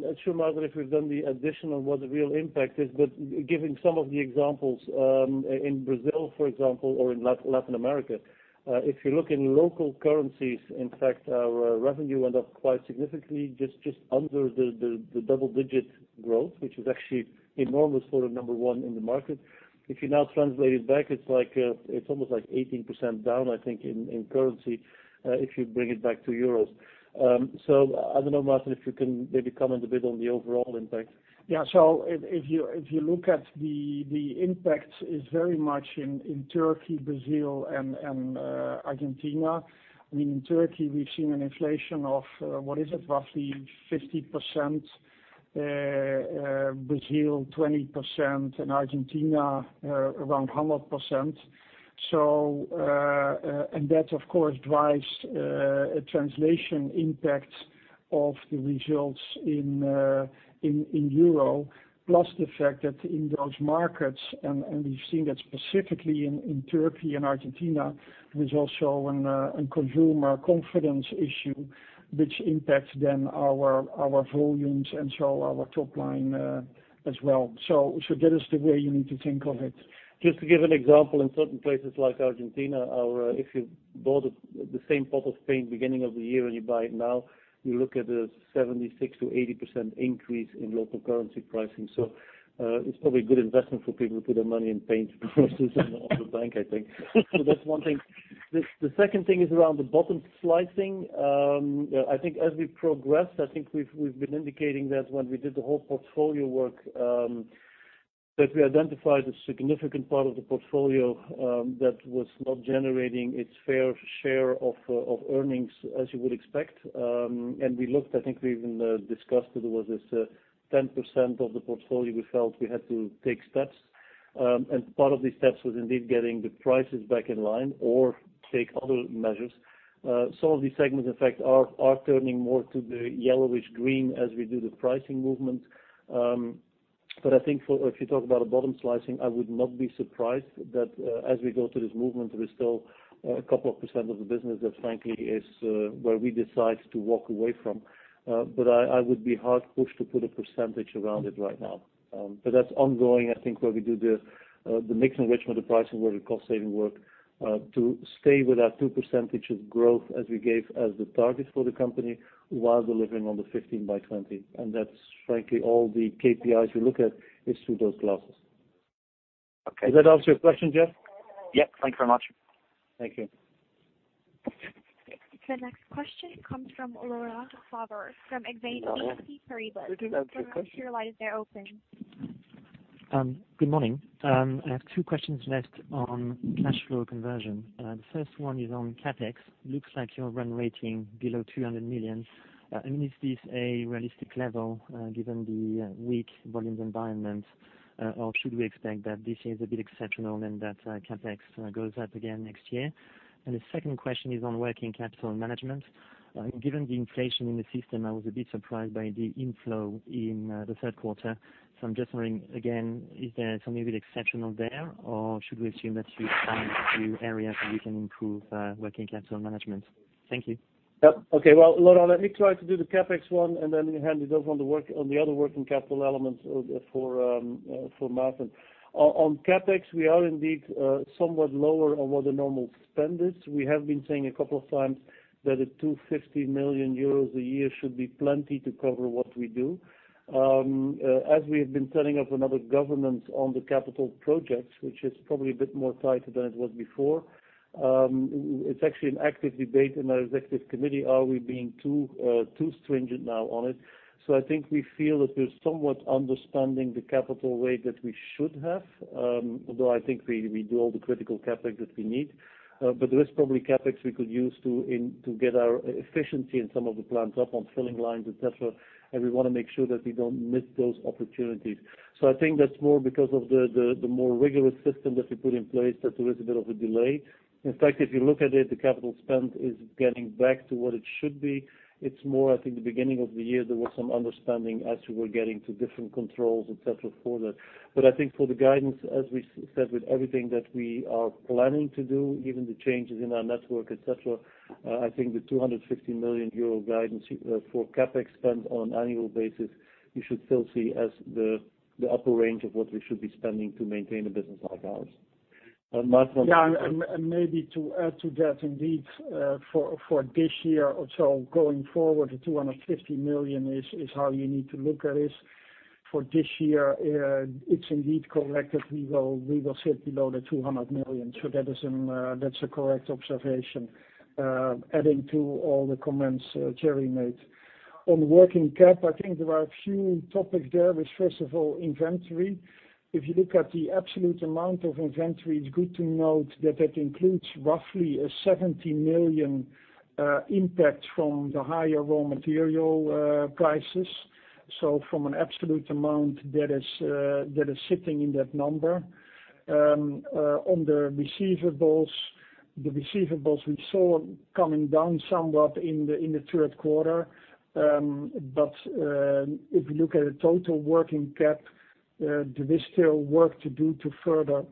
it's true, Maarten, if we've done the addition on what the real impact is, but giving some of the examples, in Brazil, for example, or in Latin America, if you look in local currencies, in fact, our revenue went up quite significantly just under the double-digit growth, which is actually enormous for a number one in the market. If you now translate it back, it's almost like 18% down, I think, in currency, if you bring it back to EUR. I don't know, Maarten, if you can maybe comment a bit on the overall impact. Yeah. If you look at the impact is very much in Turkey, Brazil, and Argentina. In Turkey, we've seen an inflation of, what is it? Roughly 50%, Brazil 20%, and Argentina around 100%. That, of course, drives a translation impact of the results in EUR. Plus the fact that in those markets, and we've seen that specifically in Turkey and Argentina, there's also a consumer confidence issue, which impacts then our volumes and our top line as well. That is the way you need to think of it. Just to give an example, in certain places like Argentina, if you bought the same pot of paint beginning of the year and you buy it now, you look at a 76%-80% increase in local currency pricing. It's probably a good investment for people to put their money in paint versus in the bank, I think. That's one thing. The second thing is around the bottom slicing. I think as we progressed, I think we've been indicating that when we did the whole portfolio work, that we identified a significant part of the portfolio that was not generating its fair share of earnings, as you would expect. We looked, I think we even discussed it, was this 10% of the portfolio we felt we had to take steps. Part of these steps was indeed getting the prices back in line or take other measures. Some of these segments, in fact, are turning more to the yellowish green as we do the pricing movement. I think if you talk about a bottom slicing, I would not be surprised that as we go through this movement, there is still a couple of percent of the business that frankly is where we decide to walk away from. I would be hard pushed to put a percentage around it right now. That's ongoing, I think, where we do the mix enrichment, the pricing, where the cost saving work, to stay with our two percentage of growth as we gave as the target for the company while delivering on the 15 by 20. That's frankly all the KPIs you look at is through those glasses. Okay. Does that answer your question, Jeff? Yep. Thank you very much. Thank you. The next question comes from Laurent Favre from ODDO BHF. Laurent, do you have your question? From MainFirst, they're open. Good morning. I have two questions left on cash flow conversion. The first one is on CapEx. Looks like you're run rating below 200 million. I mean, is this a realistic level given the weak volumes environment? Or should we expect that this year's a bit exceptional and that CapEx goes up again next year? The second question is on working capital management. Given the inflation in the system, I was a bit surprised by the inflow in the third quarter. I'm just wondering, again, is there something a bit exceptional there, or should we assume that you found a few areas that you can improve working capital management? Thank you. Okay. Well, Laurent, let me try to do the CapEx one and then hand it over on the other working capital elements for Maarten. On CapEx, we are indeed somewhat lower on what the normal spend is. We have been saying a couple of times that a 250 million euros a year should be plenty to cover what we do. As we have been setting up another governance on the capital projects, which is probably a bit more tighter than it was before. It's actually an active debate in our Executive Committee, are we being too stringent now on it? I think we feel that we're somewhat understanding the capital weight that we should have, although I think we do all the critical CapEx that we need. There is probably CapEx we could use to get our efficiency in some of the plants up on filling lines, et cetera, and we want to make sure that we don't miss those opportunities. I think that's more because of the more rigorous system that we put in place, that there is a bit of a delay. In fact, if you look at it, the capital spend is getting back to what it should be. It's more, I think, the beginning of the year, there was some understanding as we were getting to different controls, et cetera, for that. I think for the guidance, as we said, with everything that we are planning to do, even the changes in our network, et cetera, I think the 250 million euro guidance for CapEx spend on annual basis, you should still see as the upper range of what we should be spending to maintain a business like ours. Maarten on the second. Maybe to add to that, indeed, for this year or so going forward, the 250 million is how you need to look at this. For this year, it's indeed correct that we will sit below the 200 million. That's a correct observation, adding to all the comments Gerry made. On working cap, I think there are a few topics there, which first of all, inventory. If you look at the absolute amount of inventory, it's good to note that it includes roughly a 70 million impact from the higher raw material prices. From an absolute amount, that is sitting in that number. On the receivables, the receivables we saw coming down somewhat in the third quarter, if you look at the total working cap, there is still work to do to further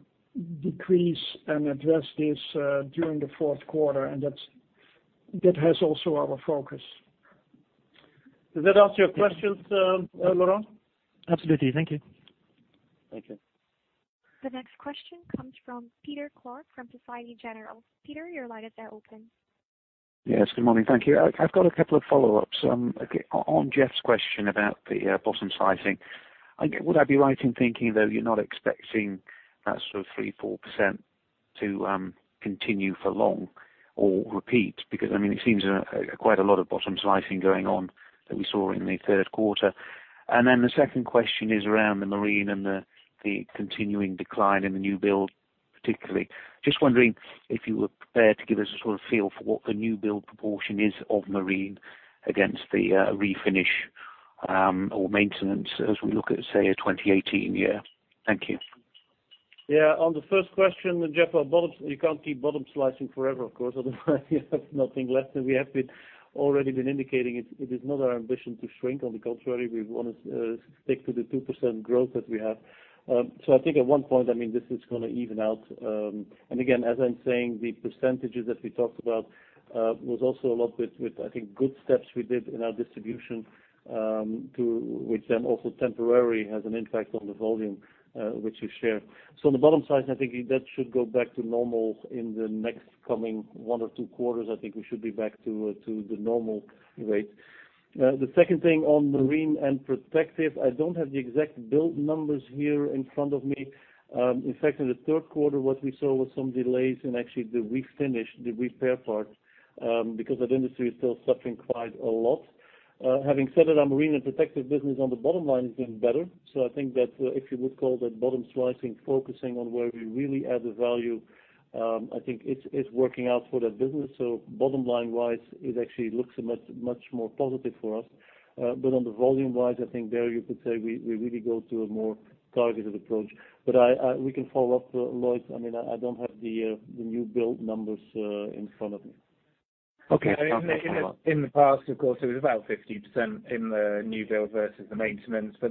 decrease and address this during the fourth quarter, and that has also our focus. Does that answer your questions, Laurent? Absolutely. Thank you. Thank you. The next question comes from Peter Clark from Societe Generale. Peter, your line is now open. Yes. Good morning. Thank you. I have got a couple of follow-ups. On Jeff’s question about the bottom slicing. Would I be right in thinking though, you are not expecting that sort of 3%, 4% to continue for long or repeat? Because it seems quite a lot of bottom slicing going on that we saw in the third quarter. The second question is around the marine and the continuing decline in the new build, particularly. Just wondering if you were prepared to give us a sort of feel for what the new build proportion is of marine against the refinish or maintenance as we look at, say, a 2018 year. Thank you. On the first question, Jeff, you cannot keep bottom slicing forever, of course, otherwise you have nothing left. We have already been indicating it is not our ambition to shrink. On the contrary, we want to stick to the 2% growth that we have. I think at one point, this is going to even out. Again, as I am saying, the percentages that we talked about was also a lot with, I think, good steps we did in our distribution, which then also temporary has an impact on the volume, which we share. On the bottom slice, I think that should go back to normal in the next coming one or two quarters. I think we should be back to the normal rate. The second thing on marine and protective, I do not have the exact build numbers here in front of me. In fact, in the third quarter, what we saw was some delays in actually the refinish, the repair part, because that industry is still suffering quite a lot. Having said that, our marine and protective business on the bottom line is doing better. I think that if you would call that bottom slicing, focusing on where we really add the value, I think it is working out for that business. Bottom line-wise, it actually looks much more positive for us. On the volume-wise, I think there you could say we really go to a more targeted approach. We can follow up, Lloyd. I do not have the new build numbers in front of me. Okay. Thanks very much.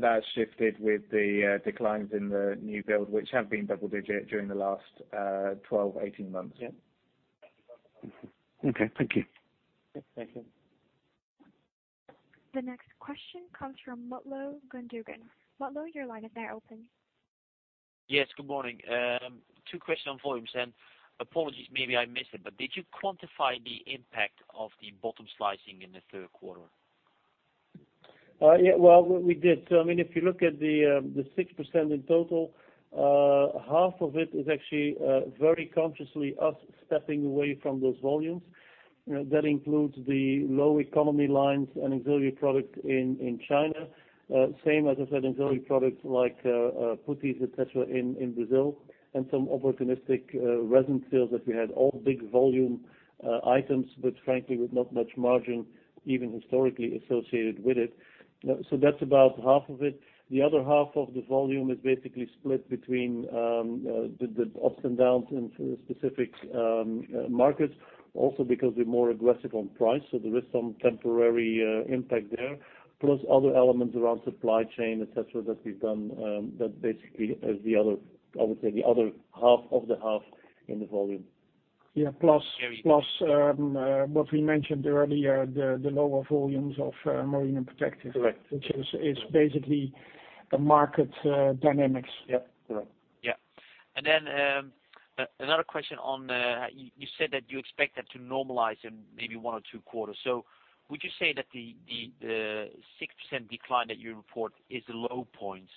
That shifted with the declines in the new build, which have been double-digit during the last 12-18 months. Okay. Thank you. Thank you. The next question comes from Mutlu Gundogan. Mutlu, your line is now open. Yes, good morning. Two questions on volumes. Apologies, maybe I missed it, but did you quantify the impact of the bottom slicing in the third quarter? Well, we did. If you look at the 6% in total, half of it is actually very consciously us stepping away from those volumes. That includes the low economy lines and auxiliary product in China. Same as I said, auxiliary products like putties, et cetera, in Brazil, and some opportunistic resin sales that we had, all big volume items, but frankly, with not much margin even historically associated with it. That's about half of it. The other half of the volume is basically split between the ups and downs in specific markets, also because we're more aggressive on price, so there is some temporary impact there. Plus other elements around supply chain, et cetera, that we've done that basically is the other half of the half in the volume. Yeah. Plus what we mentioned earlier, the lower volumes of Marine and Protective- Correct which is basically the market dynamics. Yeah. Another question on, you said that you expect that to normalize in maybe one or two quarters. Would you say that the 6% decline that you report is the low point?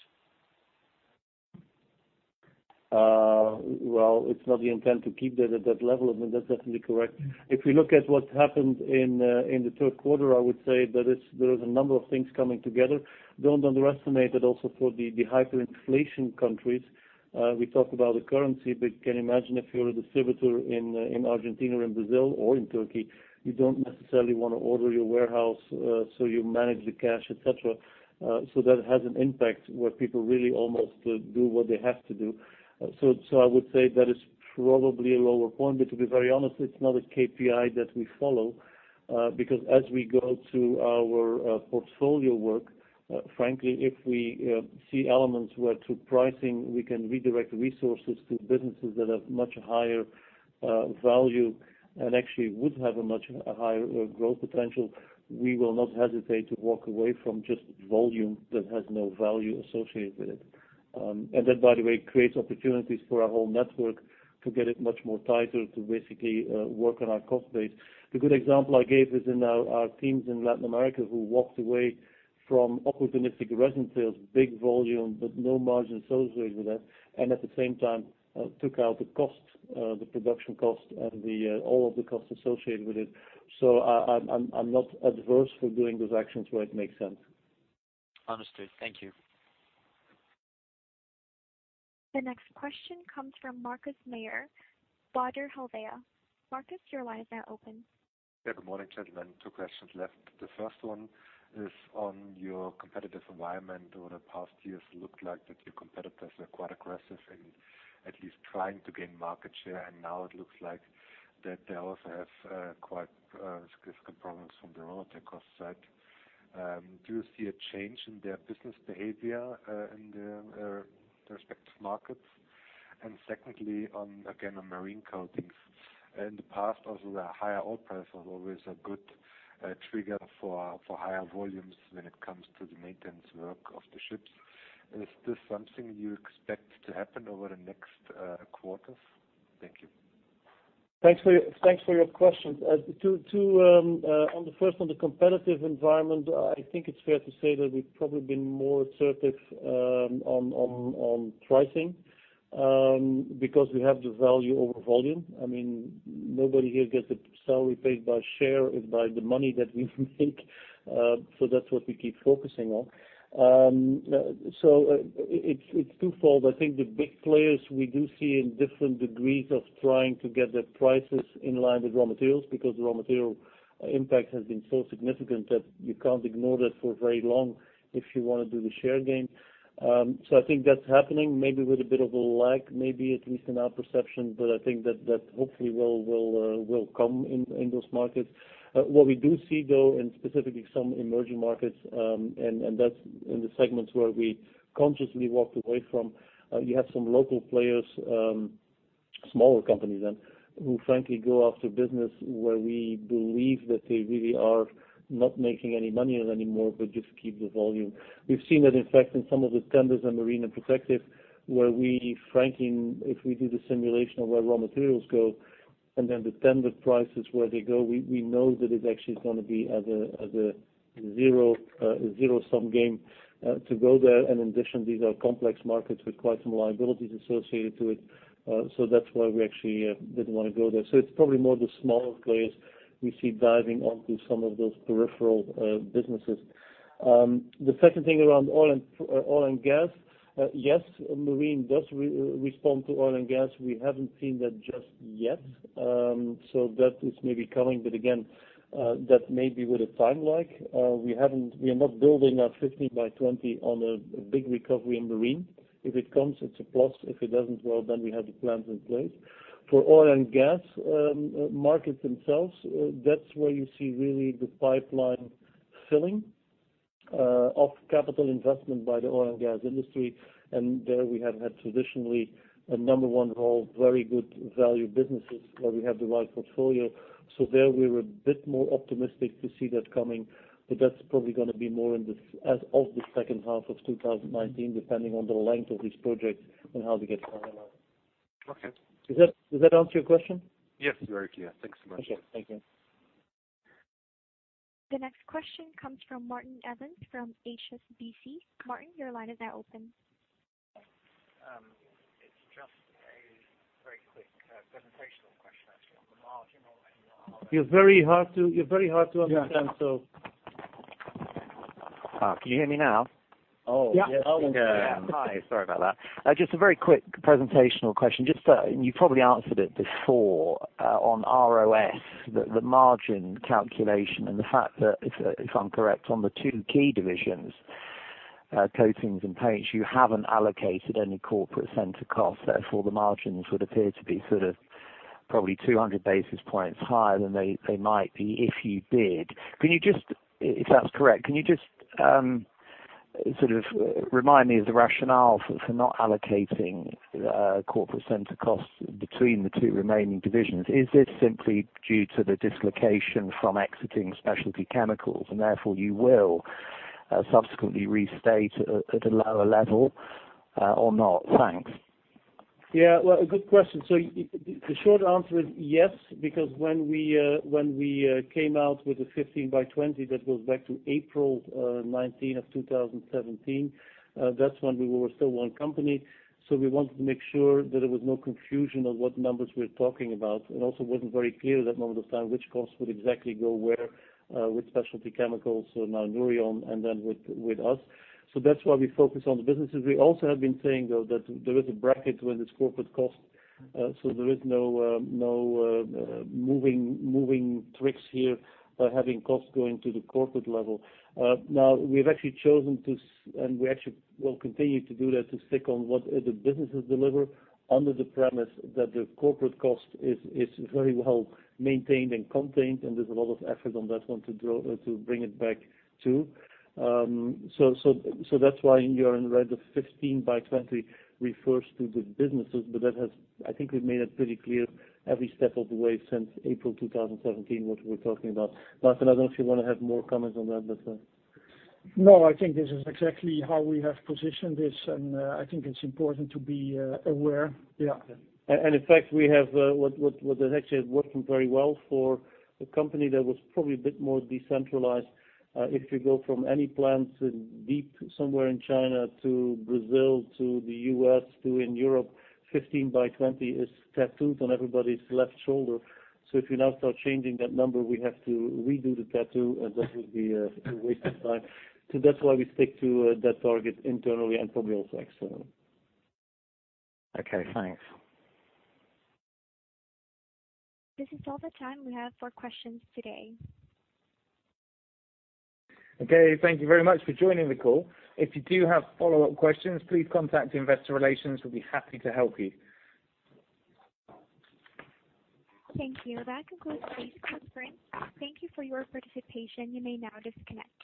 Well, it's not the intent to keep that at that level. I mean, that's definitely correct. If we look at what happened in the third quarter, I would say that there is a number of things coming together. Don't underestimate it also for the hyperinflation countries. We talk about the currency, but you can imagine if you're a distributor in Argentina or in Brazil or in Turkey, you don't necessarily want to order your warehouse, so you manage the cash, et cetera. That has an impact where people really almost do what they have to do. I would say that is probably a lower point. To be very honest, it's not a KPI that we follow. As we go to our portfolio work, frankly, if we see elements where through pricing, we can redirect resources to businesses that have much higher value and actually would have a much higher growth potential, we will not hesitate to walk away from just volume that has no value associated with it. That, by the way, creates opportunities for our whole network to get it much more tighter to basically work on our cost base. The good example I gave is in our teams in Latin America who walked away from opportunistic resin sales, big volume, but no margin associated with that, and at the same time, took out the cost, the production cost and all of the costs associated with it. I'm not adverse for doing those actions where it makes sense. Understood. Thank you. The next question comes from Markus Mayer, Baader Helvea. Markus, your line is now open. Yeah. Good morning, gentlemen. Two questions left. The first one is on your competitive environment over the past years looked like that your competitors are quite aggressive in at least trying to gain market share, and now it looks like that they also have quite significant problems from the raw material cost side. Do you see a change in their business behavior in their respective markets? Secondly, again, on Marine Coatings. In the past, also the higher oil price was always a good trigger for higher volumes when it comes to the maintenance work of the ships. Is this something you expect to happen over the next quarters? Thank you. Thanks for your questions. On the first one, the competitive environment, I think it's fair to say that we've probably been more assertive on pricing, because we have the value over volume. Nobody here gets a salary paid by share, it's by the money that we make, so that's what we keep focusing on. It's twofold. I think the big players, we do see in different degrees of trying to get their prices in line with raw materials, because the raw material impact has been so significant that you can't ignore that for very long if you want to do the share gain. I think that's happening, maybe with a bit of a lag, maybe at least in our perception, but I think that hopefully will come in those markets. What we do see, though, in specifically some emerging markets, That's in the segments where we consciously walked away from, you have some local players, smaller companies then, who frankly go after business where we believe that they really are not making any money anymore, but just keep the volume. We've seen that in fact in some of the tenders in Marine and Protective, where if we do the simulation of where raw materials go, then the tender prices, where they go, we know that it actually is going to be as a zero-sum game to go there. In addition, these are complex markets with quite some liabilities associated to it. That's why we actually didn't want to go there. It's probably more the smaller players we see diving onto some of those peripheral businesses. The second thing around oil and gas. Yes, Marine does respond to oil and gas. We haven't seen that just yet. That is maybe coming, but again, that may be with a time lag. We are not building our 15 by 20 on a big recovery in Marine. If it comes, it's a plus. If it doesn't, well, we have the plans in place. For oil and gas markets themselves, that's where you see really the pipeline filling of capital investment by the oil and gas industry. There we have had traditionally a number one role, very good value businesses where we have the right portfolio. There we're a bit more optimistic to see that coming. That's probably going to be more as of the second half of 2019, depending on the length of these projects and how they get finalized. Okay. Does that answer your question? Yes, very clear. Thanks very much. Okay. Thank you. The next question comes from Martin Evans from HSBC. Martin, your line is now open. It's just a very quick presentational question, actually, on the margin on ROS. You're very hard to understand. Can you hear me now? Yes, we can. Hi, sorry about that. Just a very quick presentational question. You probably answered it before on ROS, the margin calculation and the fact that, if I'm correct, on the two key divisions, coatings and paints, you haven't allocated any corporate center costs, therefore the margins would appear to be sort of probably 200 basis points higher than they might be if you did. If that's correct, can you just sort of remind me of the rationale for not allocating corporate center costs between the two remaining divisions? Is this simply due to the dislocation from exiting Specialty Chemicals, and therefore you will subsequently restate at a lower level, or not? Thanks. A good question. The short answer is yes, because when we came out with the 15 by 20, that goes back to April 19 of 2017. That's when we were still one company. We wanted to make sure that there was no confusion on what numbers we're talking about. It also wasn't very clear at that moment of time which costs would exactly go where, with Specialty Chemicals, so now Nouryon and then with us. That's why we focus on the businesses. We also have been saying, though, that there is a bracket with this corporate cost. There is no moving tricks here by having costs going to the corporate level. We've actually chosen to, and we actually will continue to do that, to stick on what the businesses deliver under the premise that the corporate cost is very well maintained and contained, and there's a lot of effort on that one to bring it back, too. That's why you often read that 15 by 20 refers to the businesses, but I think we've made it pretty clear every step of the way since April 2017 what we're talking about. Maarten, I don't know if you want to have more comments on that. No, I think this is exactly how we have positioned this, I think it's important to be aware. Yeah. In fact, what actually has worked very well for a company that was probably a bit more decentralized, if you go from any plant deep somewhere in China to Brazil to the U.S. to in Europe, 15 by 20 is tattooed on everybody's left shoulder. If we now start changing that number, we have to redo the tattoo, that would be a waste of time. That's why we stick to that target internally and probably also externally. Okay, thanks. This is all the time we have for questions today. Okay, thank you very much for joining the call. If you do have follow-up questions, please contact Investor Relations, we'll be happy to help you. Thank you. That concludes today's conference. Thank you for your participation. You may now disconnect.